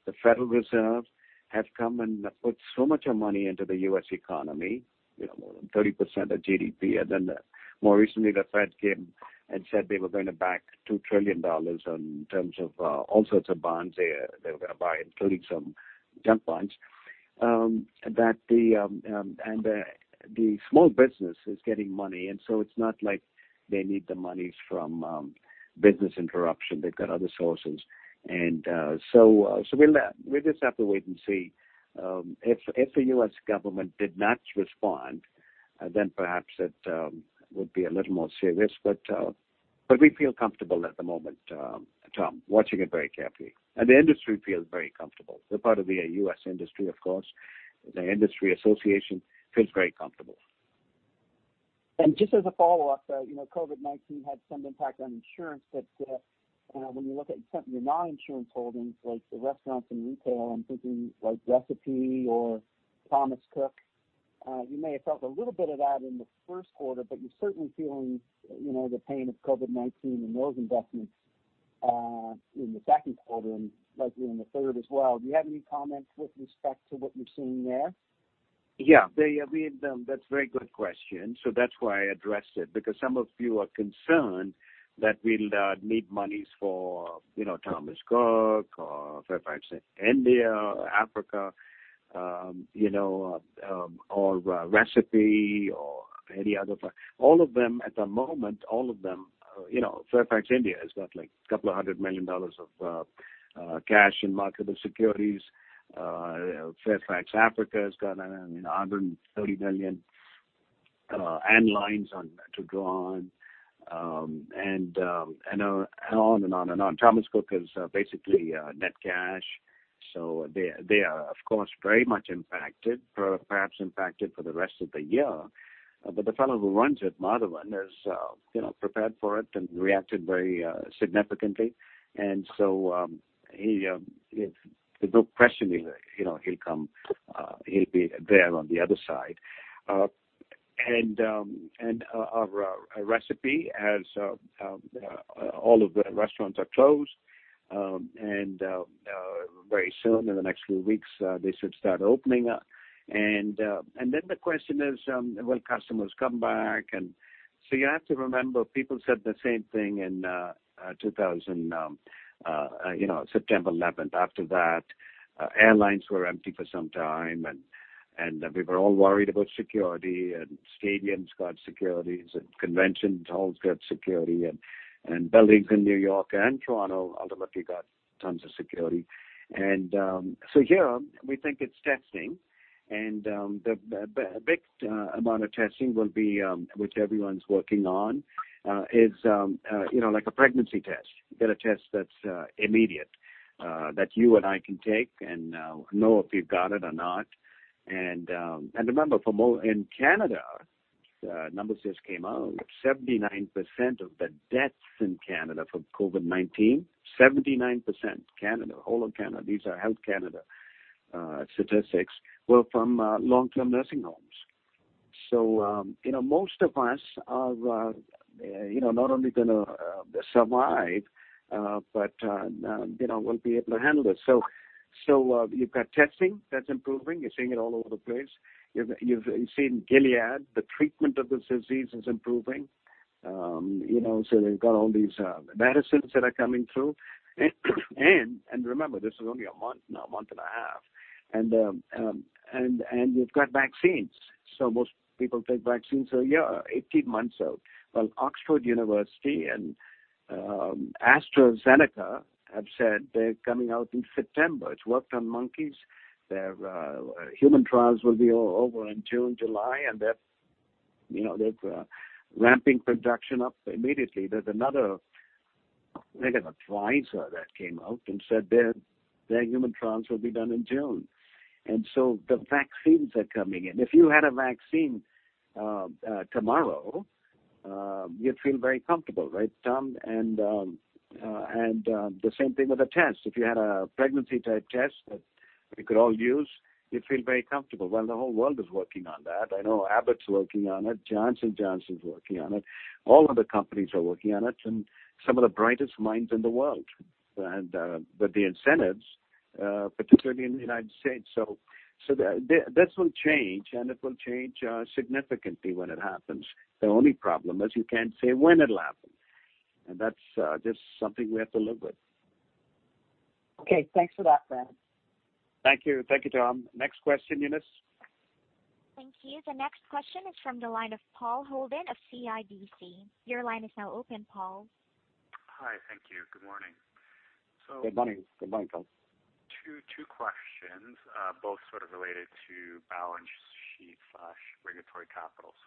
the Federal Reserve, have come and put so much money into the U.S. economy, more than 30% of GDP. More recently, the Fed came and said they were going to back $2 trillion in terms of all sorts of bonds they were going to buy, including some junk bonds. The small business is getting money, so it's not like they need the monies from business interruption. They've got other sources. We'll just have to wait and see. If the U.S. government did not respond, then perhaps it would be a little more serious. We feel comfortable at the moment, Tom, watching it very carefully, and the industry feels very comfortable. We're part of the U.S. industry, of course. The industry association feels very comfortable. Just as a follow-up, COVID-19 had some impact on insurance, but when you look at your non-insurance holdings, like the restaurants and retail, I'm thinking like Recipe or Thomas Cook, you may have felt a little bit of that in the first quarter, but you're certainly feeling the pain of COVID-19 in those investments in the second quarter and likely in the third as well. Do you have any comments with respect to what you're seeing there? Yeah, that's a very good question. That's why I addressed it, because some of you are concerned that we'll need monies for Thomas Cook, or Fairfax India, or Africa, or Recipe, or any other. All of them, at the moment, you know, Fairfax India has got a couple of hundred million dollars of cash and marketable securities. Fairfax Africa has got $130 million, and lines to draw on and on and on. Thomas Cook is basically net cash. They are of course, very much impacted, perhaps impacted for the rest of the year. The fellow who runs it, Madhavan, is prepared for it and reacted very significantly. There's no question he'll be there on the other side. Our Recipe as all of the restaurants are closed, and very soon in the next few weeks, they should start opening up. The question is, will customers come back? You have to remember, people said the same thing in 2001, September 11th. After that, airlines were empty for some time, and we were all worried about security, and stadiums got securities, and convention halls got security, and buildings in New York and Toronto ultimately got tons of security. Here we think it's testing, and the big amount of testing which everyone's working on is like a pregnancy test. You get a test that's immediate, that you and I can take and know if you've got it or not. Remember, for more in Canada, numbers just came out, 79% of the deaths in Canada from COVID-19, 79% Canada, all of Canada, these are Health Canada statistics, were from long-term nursing homes. Most of us are not only going to survive, but we'll be able to handle it. You've got testing that's improving. You're seeing it all over the place. You've seen Gilead, the treatment of this disease is improving. They've got all these medicines that are coming through. Remember, this is only a month now, a month and a half. You've got vaccines. Most people take vaccines a year, 18 months out. Well, Oxford University and AstraZeneca have said they're coming out in September. It's worked on monkeys. Their human trials will be all over in June, July, and they're ramping production up immediately. There's another, I think it was Pfizer that came out and said their human trials will be done in June. The vaccines are coming in. If you had a vaccine tomorrow, you'd feel very comfortable, right, Tom? The same thing with a test. If you had a pregnancy type test that we could all use, you'd feel very comfortable. Well, the whole world is working on that. I know Abbott's working on it. Johnson & Johnson's working on it. All of the companies are working on it, and some of the brightest minds in the world. The incentives, particularly in the United States. This will change, and it will change significantly when it happens. The only problem is you can't say when it'll happen, and that's just something we have to live with. Okay. Thanks for that, Prem. Thank you, Tom. Next question, Eunice. Thank you. The next question is from the line of Paul Holden of CIBC. Your line is now open, Paul. Hi. Thank you. Good morning. Good morning, Paul. Two questions, both sort of related to balance sheet/regulatory capital.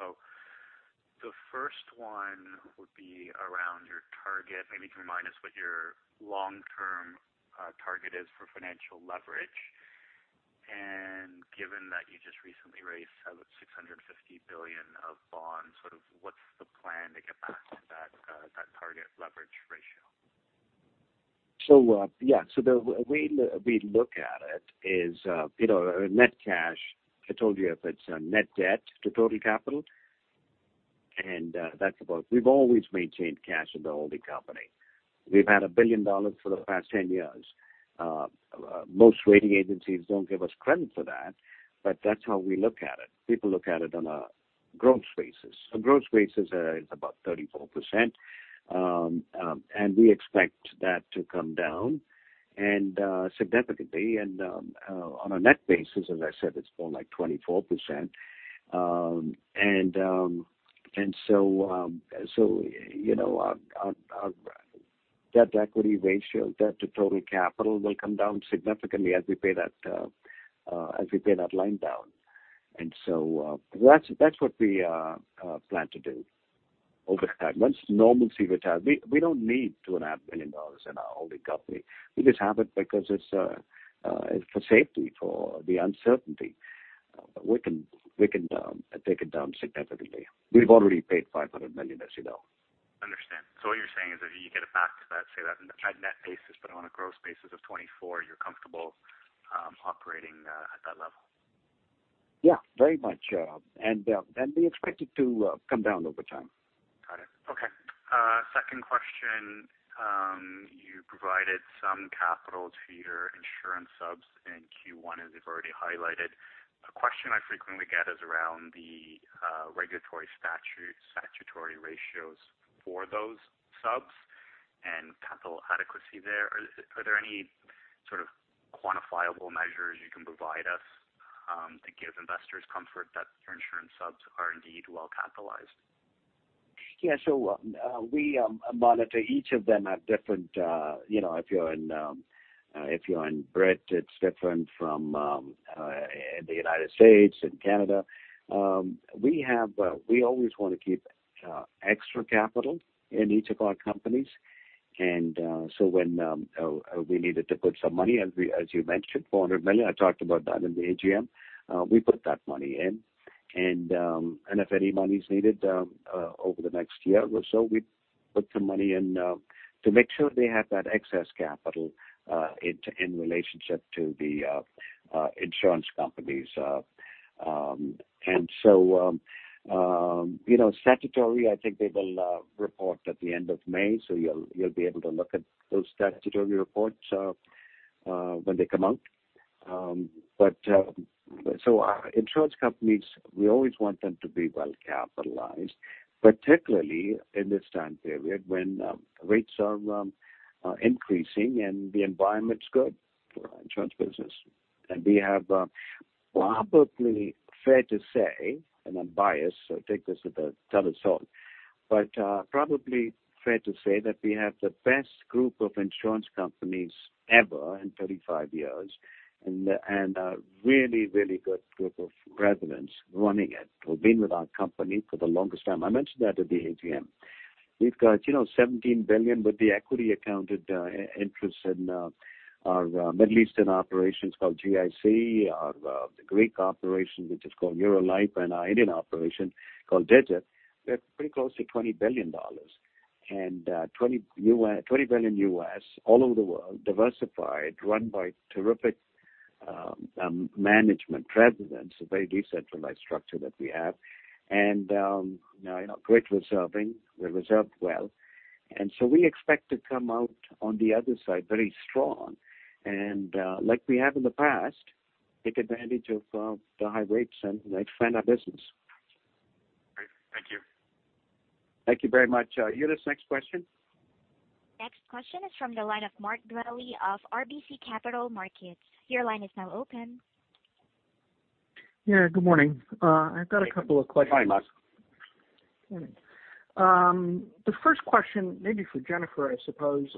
The first one would be around your target. Maybe remind us what your long-term target is for financial leverage, and given that you just recently raised $650 million of bonds, sort of what's the plan to get back to that target leverage ratio? Yes. The way we look at it is net cash. I told you if it's net debt to total capital, we've always maintained cash in the holding company. We've had $1 billion for the past 10 years. Most rating agencies don't give us credit for that, but that's how we look at it. People look at it on a gross basis. A gross basis is about 34%, and we expect that to come down significantly, on a net basis, as I said, it's more like 24%. Our debt equity ratio, debt to total capital, will come down significantly as we pay that line down. That's what we plan to do over time. Once normalcy returns, we don't need $2.5 billion in our holding company. We just have it because it's for safety, for the uncertainty. We can take it down significantly. We've already paid $500 million, as you know. Understand. What you're saying is if you get it back to that, say, that net basis, but on a gross basis of 24%, you're comfortable operating at that level? Yeah, very much. We expect it to come down over time. Got it. Okay. Second question. You provided some capital to your insurance subs in Q1, as you have already highlighted. A question I frequently get is around the regulatory statutory ratios for those subs and capital adequacy there. Are there any sort of quantifiable measures you can provide us to give investors comfort that your insurance subs are indeed well-capitalized? Yeah. We monitor each of them at different, if you're in Brit, it's different from the U.S. and Canada. We always want to keep extra capital in each of our companies. When we needed to put some money, as you mentioned, $400 million, I talked about that in the AGM. We put that money in. If any money's needed over the next year or so, we'll put some money in to make sure they have that excess capital in relationship to the insurance companies. Statutory, I think they will report at the end of May, so you'll be able to look at those statutory reports when they come out. Our insurance companies, we always want them to be well-capitalized, particularly in this time period when rates are increasing, and the environment's good for insurance business. We have, probably fair to say, and I'm biased, so take this with a ton of salt, but probably fair to say that we have the best group of insurance companies ever in 35 years, and a really good group of presidents running it who've been with our company for the longest time. I mentioned that at the AGM. We've got $17 billion with the equity accounted interests in our Middle Eastern operations called GIC, the Greek operation, which is called Eurolife, and our Indian operation called Digit. We're pretty close to $20 billion. $20 billion U.S. all over the world, diversified, run by terrific management presidents, a very decentralized structure that we have, and great reserving. We reserved well. We expect to come out on the other side very strong. Like we have in the past, take advantage of the high rates and find our business. Great. Thank you. Thank you very much. Eunice, next question. Next question is from the line of Mark Dwelle of RBC Capital Markets. Your line is now open. Yeah, good morning. I've got a couple of questions. Hi, Mark. The first question, maybe for Jennifer, I suppose.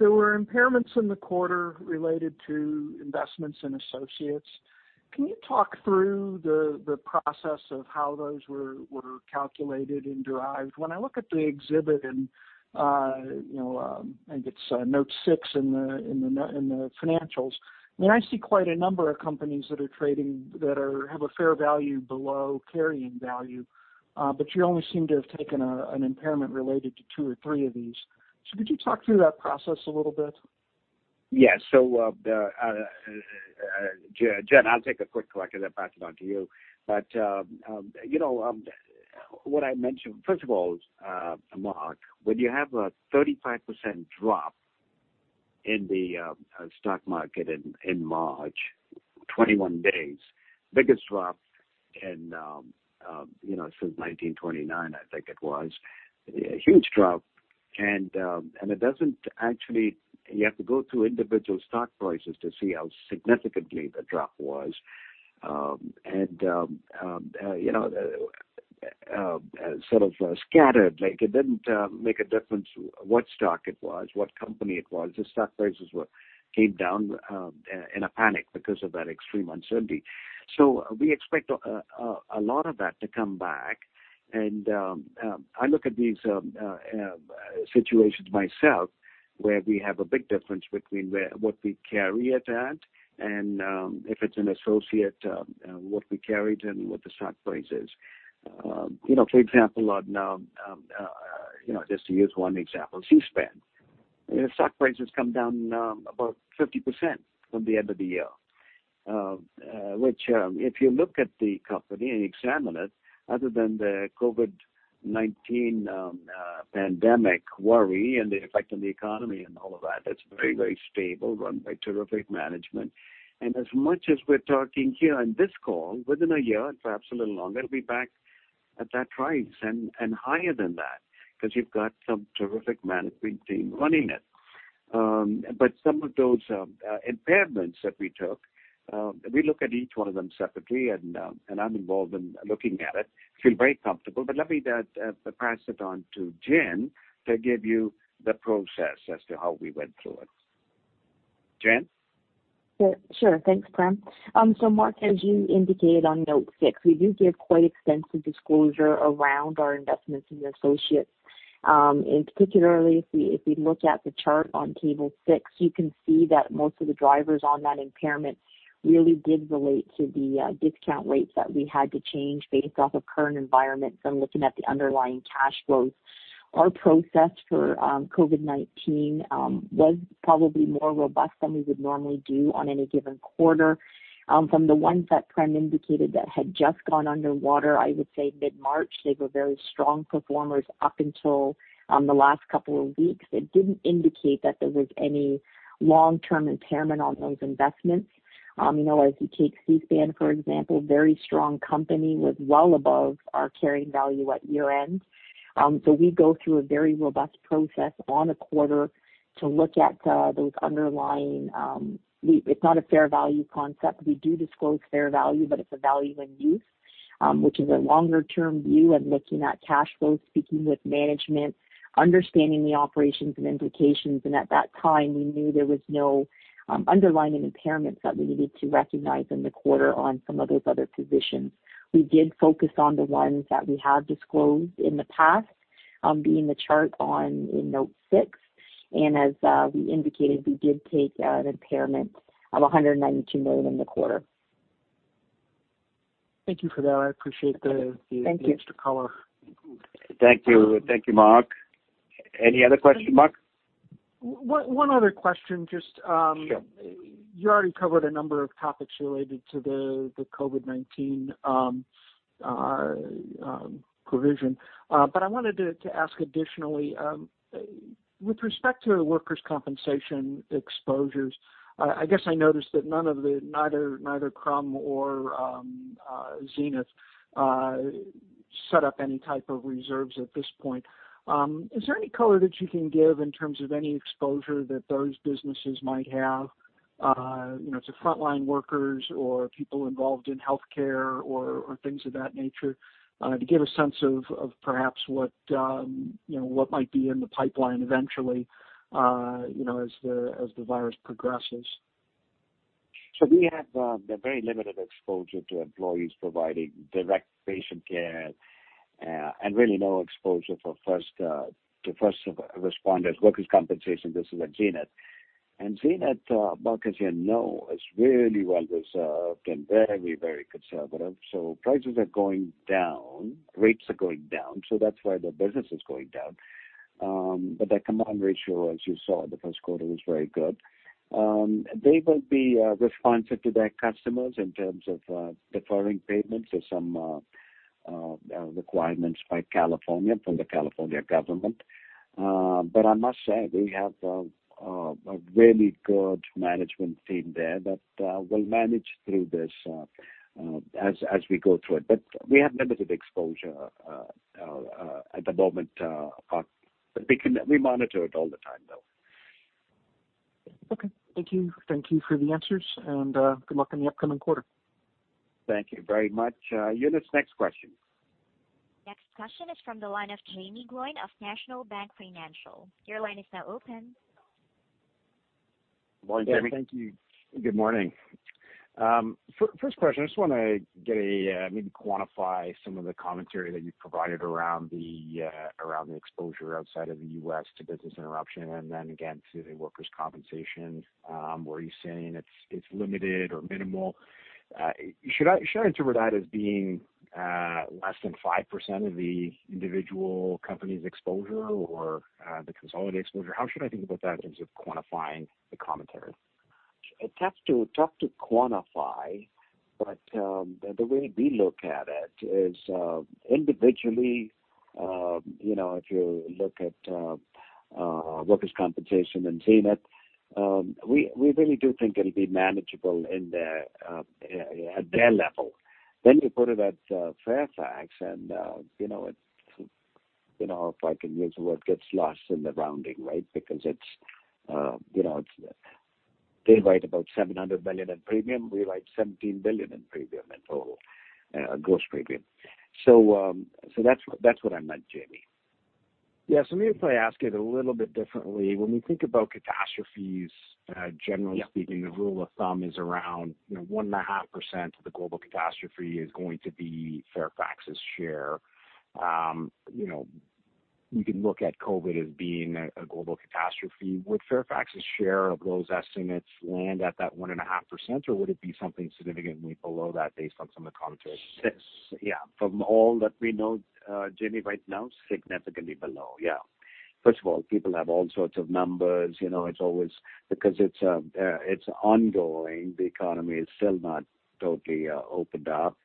There were impairments in the quarter related to investments in associates. Can you talk through the process of how those were calculated and derived? When I look at the exhibit in, I think it's note six in the financials. I mean, I see quite a number of companies that have a fair value below carrying value. You only seem to have taken an impairment related to two or three of these. Could you talk through that process a little bit? Yeah. Jenn, I'll take a quick crack at it, pass it on to you. What I mentioned, first of all, Mark, when you have a 35% drop in the stock market in March, 21 days, biggest drop since 1929, I think it was. A huge drop. You have to go through individual stock prices to see how significant the drop was. Sort of scattered, it didn't make a difference what stock it was, what company it was. The stock prices came down in a panic because of that extreme uncertainty. We expect a lot of that to come back. I look at these situations myself where we have a big difference between what we carry it at and, if it's an associate, what we carried and what the stock price is. For example, just to use one example, Seaspan. The stock price has come down about 50% from the end of the year. Which, if you look at the company and examine it, other than the COVID-19 pandemic worry and the effect on the economy and all of that, it's very stable, run by terrific management. As much as we're talking here on this call, within a year, perhaps a little longer, it'll be back at that price and higher than that, because you've got some terrific management team running it. Some of those impairments that we took, we look at each one of them separately, and I'm involved in looking at it. Feel very comfortable. Let me pass it on to Jenn to give you the process as to how we went through it. Jenn? Sure. Thanks, Prem. Mark, as you indicated on note six, we do give quite extensive disclosure around our investments in the associates. Particularly, if we look at the chart on table six, you can see that most of the drivers on that impairment really did relate to the discount rates that we had to change based off of current environments and looking at the underlying cash flows. Our process for COVID-19 was probably more robust than we would normally do on any given quarter. From the ones that Prem indicated that had just gone underwater, I would say mid-March, they were very strong performers up until the last couple of weeks. It didn't indicate that there was any long-term impairment on those investments. As you take Seaspan, for example, very strong company, was well above our carrying value at year-end. We go through a very robust process on a quarter to look at those underlying; it's not a fair value concept, we do disclose fair value, but it's a value in use. Which is a longer-term view, and looking at cash flows, speaking with management, understanding the operations, and implications. At that time, we knew there was no underlying impairments that we needed to recognize in the quarter on some of those other positions. We did focus on the ones that we have disclosed in the past, being the chart in note six. As we indicated, we did take an impairment of $192 million in the quarter. Thank you for that. Thank you. I appreciate the extra color. Thank you, Mark. Any other questions, Mark? One other question. Sure. You already covered a number of topics related to the COVID-19 provision. I wanted to ask additionally, with respect to workers' compensation exposures, I guess I noticed that neither Crum nor Zenith set up any type of reserves at this point. Is there any color that you can give in terms of any exposure that those businesses might have to frontline workers or people involved in healthcare or things of that nature? To give a sense of perhaps what might be in the pipeline eventually, as the virus progresses? We have a very limited exposure to employees providing direct patient care, and really no exposure to first responders, workers' compensation. This is at Zenith. Zenith, Mark, as you know, is really well-reserved and very conservative. Prices are going down, rates are going down, so that's why the business is going down. Their combined ratio, as you saw in the first quarter, was very good. They will be responsive to their customers in terms of deferring payments as some requirements by California from the California government. I must say, we have a really good management team there that will manage through this as we go through it. We have limited exposure at the moment, Mark, but we monitor it all the time, though. Okay. Thank you. Thank you for the answers, and good luck on the upcoming quarter. Thank you very much. Eunice, next question. Next question is from the line of Jaeme Gloyn of National Bank Financial. Your line is now open. Morning, Jaeme. Thank you. Good morning. First question, I just want to maybe quantify some of the commentary that you provided around the exposure outside of the U.S. to business interruption, and then again to the workers' compensation. Were you saying it is limited or minimal? Should I interpret that as being less than 5% of the individual company's exposure or the consolidated exposure? How should I think about that in terms of quantifying the commentary? It's tough to quantify, but the way we look at it is individually. If you look at workers' compensation and Zenith, we really do think it'll be manageable at their level. You put it at Fairfax and, if I can use the word, gets lost in the rounding, right? They write about $700 million in premium, we write $17 billion in premium in total, gross premium. That's what I meant, Jaeme. Yeah. Let me probably ask it a little bit differently. When we think about catastrophes. Yeah. Generally speaking, the rule of thumb is around 1.5% of the global catastrophe is going to be Fairfax's share. We can look at COVID as being a global catastrophe. Would Fairfax's share of those estimates land at that 1.5%? Or would it be something significantly below that based on some of the commentary? Yes. From all that we know, Jaeme, right now, significantly below. First of all, people have all sorts of numbers because it's ongoing; the economy is still not totally opened up.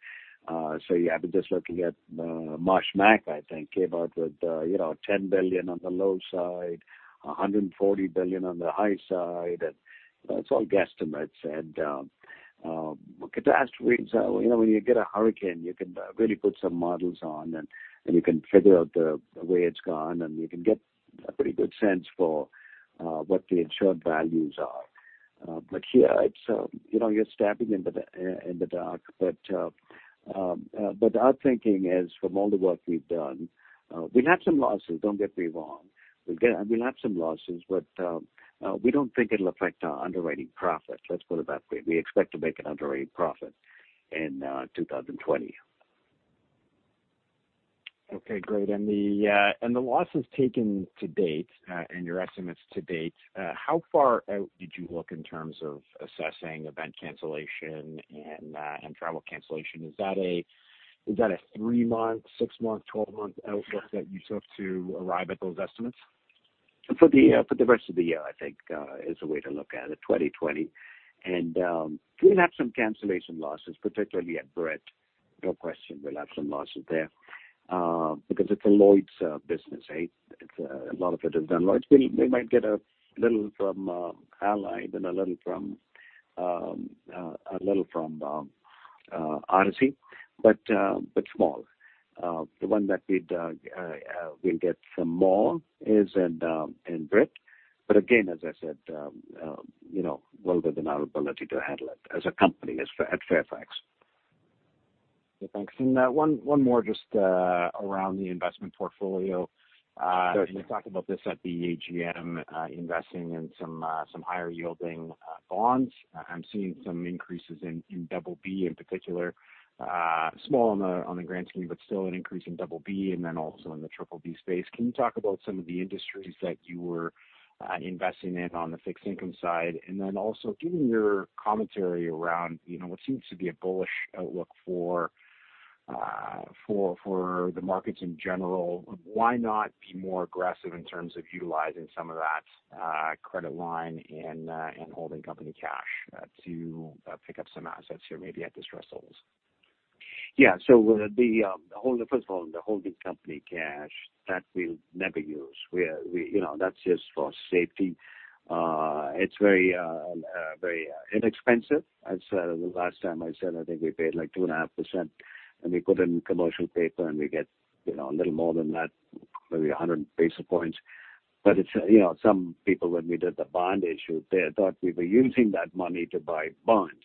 I was just looking at Marsh McLennan, I think, came out with $10 billion on the low side, $140 billion on the high side. It's all guesstimates. With catastrophes, when you get a hurricane, you can really put some models on, and you can figure out the way it's gone, and you can get a pretty good sense for what the insured values are. Here, you're stabbing in the dark. Our thinking is from all the work we've done, we'll have some losses. Don't get me wrong. We'll have some losses, but we don't think it'll affect our underwriting profit. Let's put it that way. We expect to make an underwriting profit in 2020. Okay, great. The losses taken to date, and your estimates to date, how far out did you look in terms of assessing event cancellation and travel cancellation? Is that a three-month, six-month, 12-month outlook that you took to arrive at those estimates? For the rest of the year, I think, is the way to look at it, 2020. We'll have some cancellation losses, particularly at Brit. No question we'll have some losses there, because it's a Lloyd's business, right? A lot of it is done. We might get a little from Allied and a little from Odyssey, but small. The one that we'll get some more is in Brit. Again, as I said well within our ability to handle it as a company at Fairfax. Thanks. One more just around the investment portfolio. You talked about this at the AGM, investing in some higher-yielding bonds. I'm seeing some increases in BB in particular, small on the grand scheme, but still an increase in BB, then also in the BBB space. Can you talk about some of the industries that you were investing in on the fixed income side? Then also, given your commentary around what seems to be a bullish outlook for the markets in general, why not be more aggressive in terms of utilizing some of that credit line and holding company cash to pick up some assets here, maybe at distressed levels? Yeah. First of all, the holding company cash that we'll never use. That's just for safety. It's very inexpensive. The last time I said, I think we paid like 2.5%, and we put in commercial paper, and we get a little more than that, maybe 100 basis points. Some people, when we did the bond issue, they thought we were using that money to buy bonds.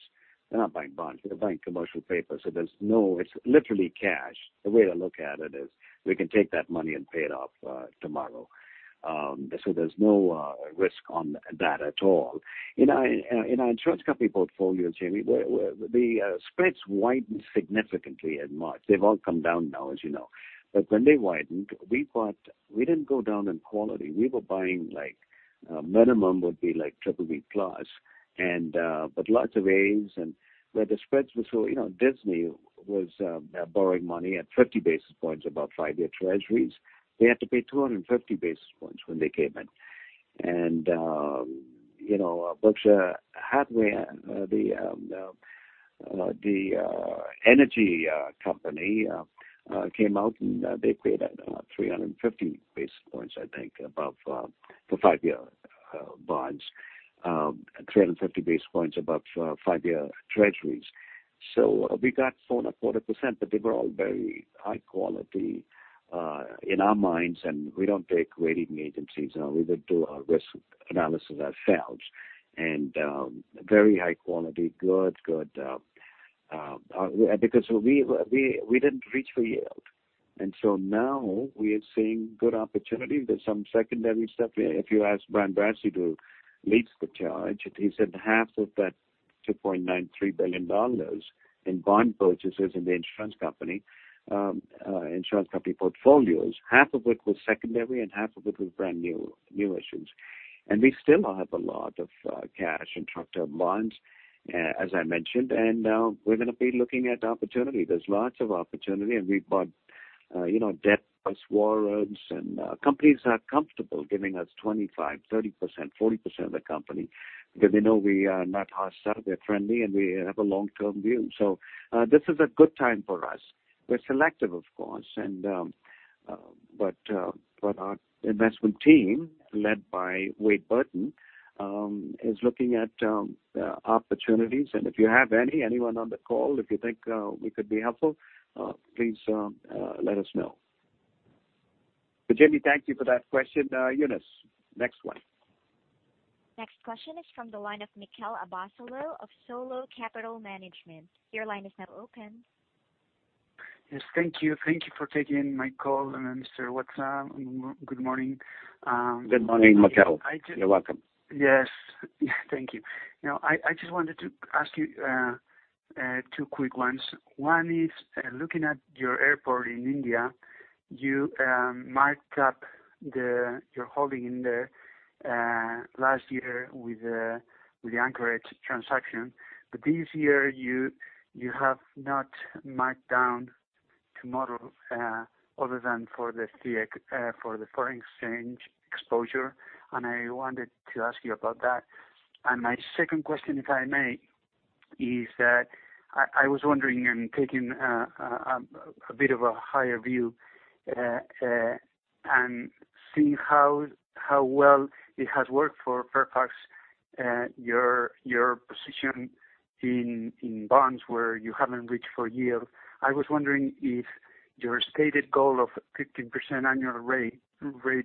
We're not buying bonds. We're buying commercial paper. It's literally cash. The way to look at it is we can take that money and pay it off tomorrow. There's no risk on that at all. In our insurance company portfolio, Jaeme, the spreads widened significantly in March. They've all come down now, as you know. When they widened, we didn't go down in quality. We were buying minimum would be like BBB+, but lots of As. Where the spreads were. Disney was borrowing money at 50 basis points above five-year treasuries; they had to pay 250 basis points when they came in. Berkshire Hathaway, the energy company, came out, and they paid at 350 basis points, I think, above for five-year bonds, 350 basis points above five-year treasuries. We got 4.5%, but they were all very high quality in our minds, and we don't take rating agencies. We would do our risk analysis ourselves. Very high quality, good. Because we didn't reach for yield. Now we are seeing good opportunity. There's some secondary stuff. If you ask Brian Bradstreet, who leads the charge, he said $1.465 billion of that $2.93 billion in bond purchases in the insurance company portfolios, $1.465 billion of it was secondary, and $1.465 billion of it was brand new issues. We still have a lot of cash in terms of bonds, as I mentioned, we're going to be looking at opportunity. There's lots of opportunity, we bought debt plus warrants, companies are comfortable giving us 25%, 30%, 40% of the company because they know we are not hostile, they're friendly, and we have a long-term view. This is a good time for us. We're selective, of course. Our investment team, led by Wade Burton, is looking at opportunities. If you have any anyone on the call, if you think we could be helpful, please let us know. Jaeme, thank you for that question. Eunice, next one. Next question is from the line of Mikel Abasolo of Solo Capital Management. Your line is now open. Yes. Thank you for taking my call, Mr. Watsa. Good morning. Good morning, Mikel. You're welcome. Yes. Thank you. I just wanted to ask you two quick ones. One is, looking at your airport in India, you marked up your holding in there last year with the Anchorage transaction. This year, you have not marked down to model other than for the foreign exchange exposure, and I wanted to ask you about that. My second question, if I may, is that I was wondering and taking a bit of a higher view and seeing how well it has worked for Fairfax, your position in bonds where you haven't reached for yield. I was wondering if your stated goal of 15% annual rate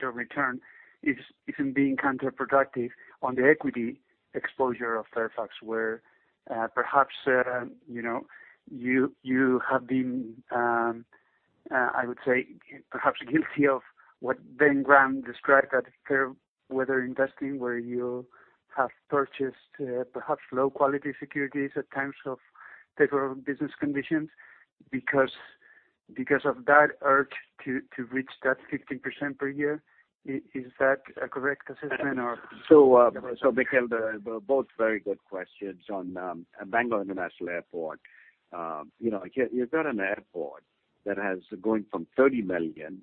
of return isn't being counterproductive on the equity exposure of Fairfax, where perhaps you have been, I would say, perhaps guilty of what Ben Graham described as fair-weather investing, where you have purchased perhaps low-quality securities at times of favorable business conditions because of that urge to reach that 15% per year. Is that a correct assessment? Mikel, both very good questions. On Bangalore International Airport, you've got an airport that has going from 30 million,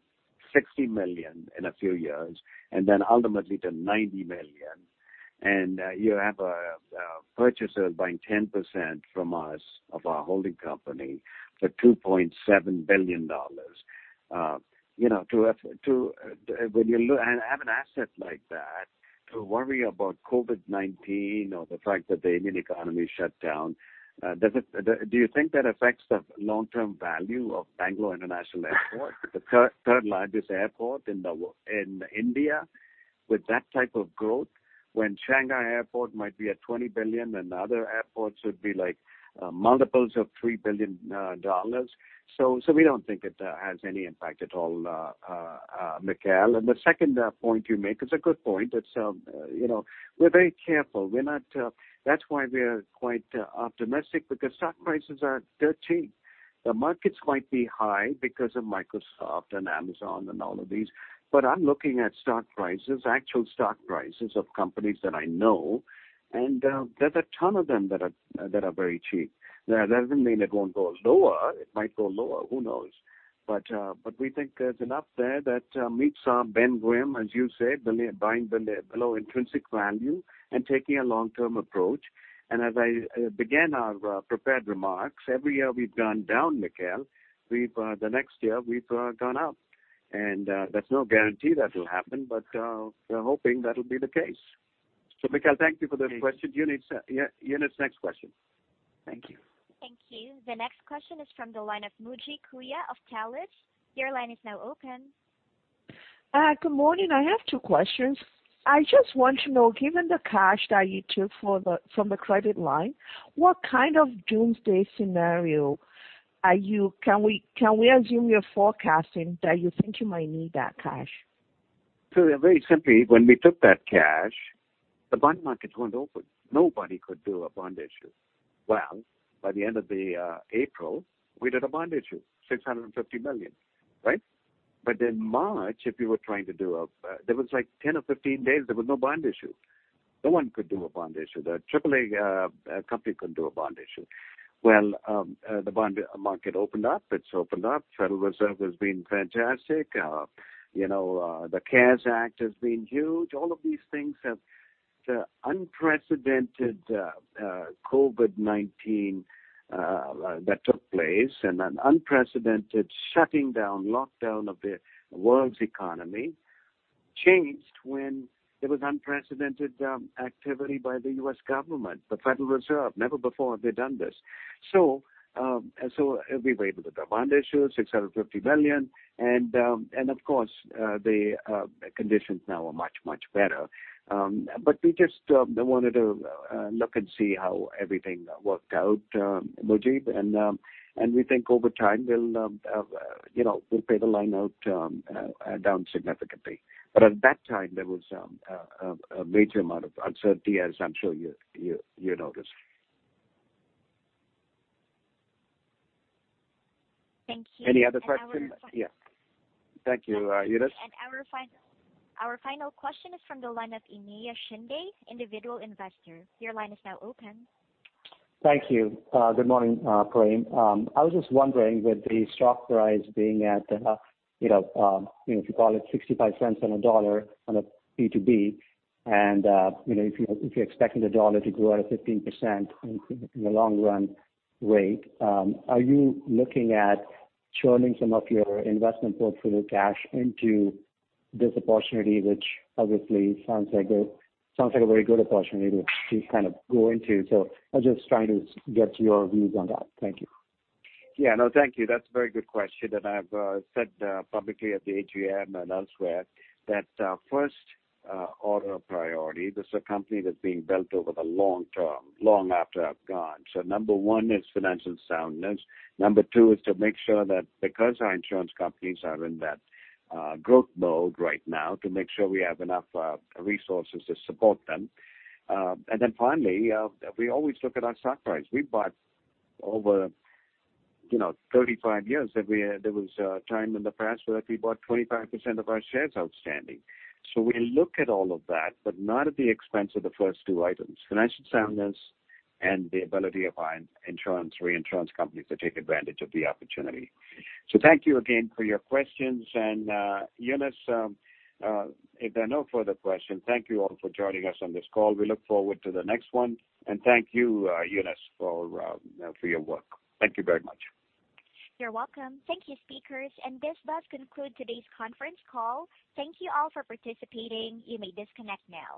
60 million in a few years, and then ultimately to 90 million. You have a purchaser buying 10% from us of our holding company for $2.7 billion. When you have an asset like that, to worry about COVID-19 or the fact that the Indian economy shut down, do you think that affects the long-term value of Bangalore International Airport, the third largest airport in India, with that type of growth? When Shanghai Airport might be at $20 billion, and other airports would be multiples of $3 billion. We don't think it has any impact at all, Mikel. The second point you make is a good point. We're very careful. That's why we're quite optimistic because stock prices are dirt cheap. The markets might be high because of Microsoft and Amazon and all of these, but I'm looking at stock prices, actual stock prices of companies that I know, and there's a ton of them that are very cheap. That doesn't mean it won't go lower. It might go lower. Who knows? We think there's enough there that meets our Ben Graham, as you said, buying below intrinsic value and taking a long-term approach. As I began our prepared remarks, every year we've gone down, Mikel, the next year we've gone up. That's no guarantee that will happen, but we're hoping that'll be the case. Mikel, thank you for the question. Eunice, next question. Thank you. Thank you. The next question is from the line of Mujib Kuya of Talage. Your line is now open. Good morning. I have two questions. I just want to know, given the cash that you took from the credit line, what kind of doomsday scenario can we assume you're forecasting that you think you might need that cash? Very simply, when we took that cash, the bond market won't open. Nobody could do a bond issue. By the end of April, we did a bond issue, $650 million, right? In March, if you were trying, there was 10 or 15 days there was no bond issue. No one could do a bond issue. The AAA company couldn't do a bond issue. The bond market opened up. It's opened up. Federal Reserve has been fantastic. The CARES Act has been huge. All of these things have the unprecedented COVID-19 that took place and an unprecedented shutting down lockdown of the world's economy changed when there was unprecedented activity by the U.S. government, the Federal Reserve. Never before have they done this. We were able to do a bond issue of $650 million. Of course, the conditions now are much, much better. We just wanted to look and see how everything worked out, Mujib. We think over time, we'll pay the line out down significantly. At that time, there was a major amount of uncertainty, as I'm sure you noticed. Thank you. Any other questions? Yes. Thank you, Eunice. Our final question is from the line of Iniya Shinde, individual investor. Your line is now open. Thank you. Good morning, Prem. I was just wondering with the stock price being at, if you call it $0.65 on a dollar on a BV, and if you're expecting the dollar to grow at a 15% in the long run rate, are you looking at churning some of your investment portfolio cash into this opportunity, which obviously sounds like a very good opportunity to kind of go into? I'm just trying to get your views on that. Thank you. Yeah, no. Thank you. That is a very good question. I have said publicly at the AGM and elsewhere that first order of priority, this is a company that is being built over the long term, long after I have gone. Number one is financial soundness. Number two is to make sure that because our insurance companies are in that growth mode right now, to make sure we have enough resources to support them. Finally, we always look at our stock price. We bought over 35 years. There was a time in the past where we bought 25% of our shares outstanding. We look at all of that, but not at the expense of the first two items, financial soundness and the ability of our insurance, reinsurance companies to take advantage of the opportunity. Thank you again for your questions. Eunice, if there are no further questions, thank you all for joining us on this call. We look forward to the next one. Thank you, Eunice, for your work. Thank you very much. You're welcome. Thank you, speakers. This does conclude today's conference call. Thank you all for participating. You may disconnect now.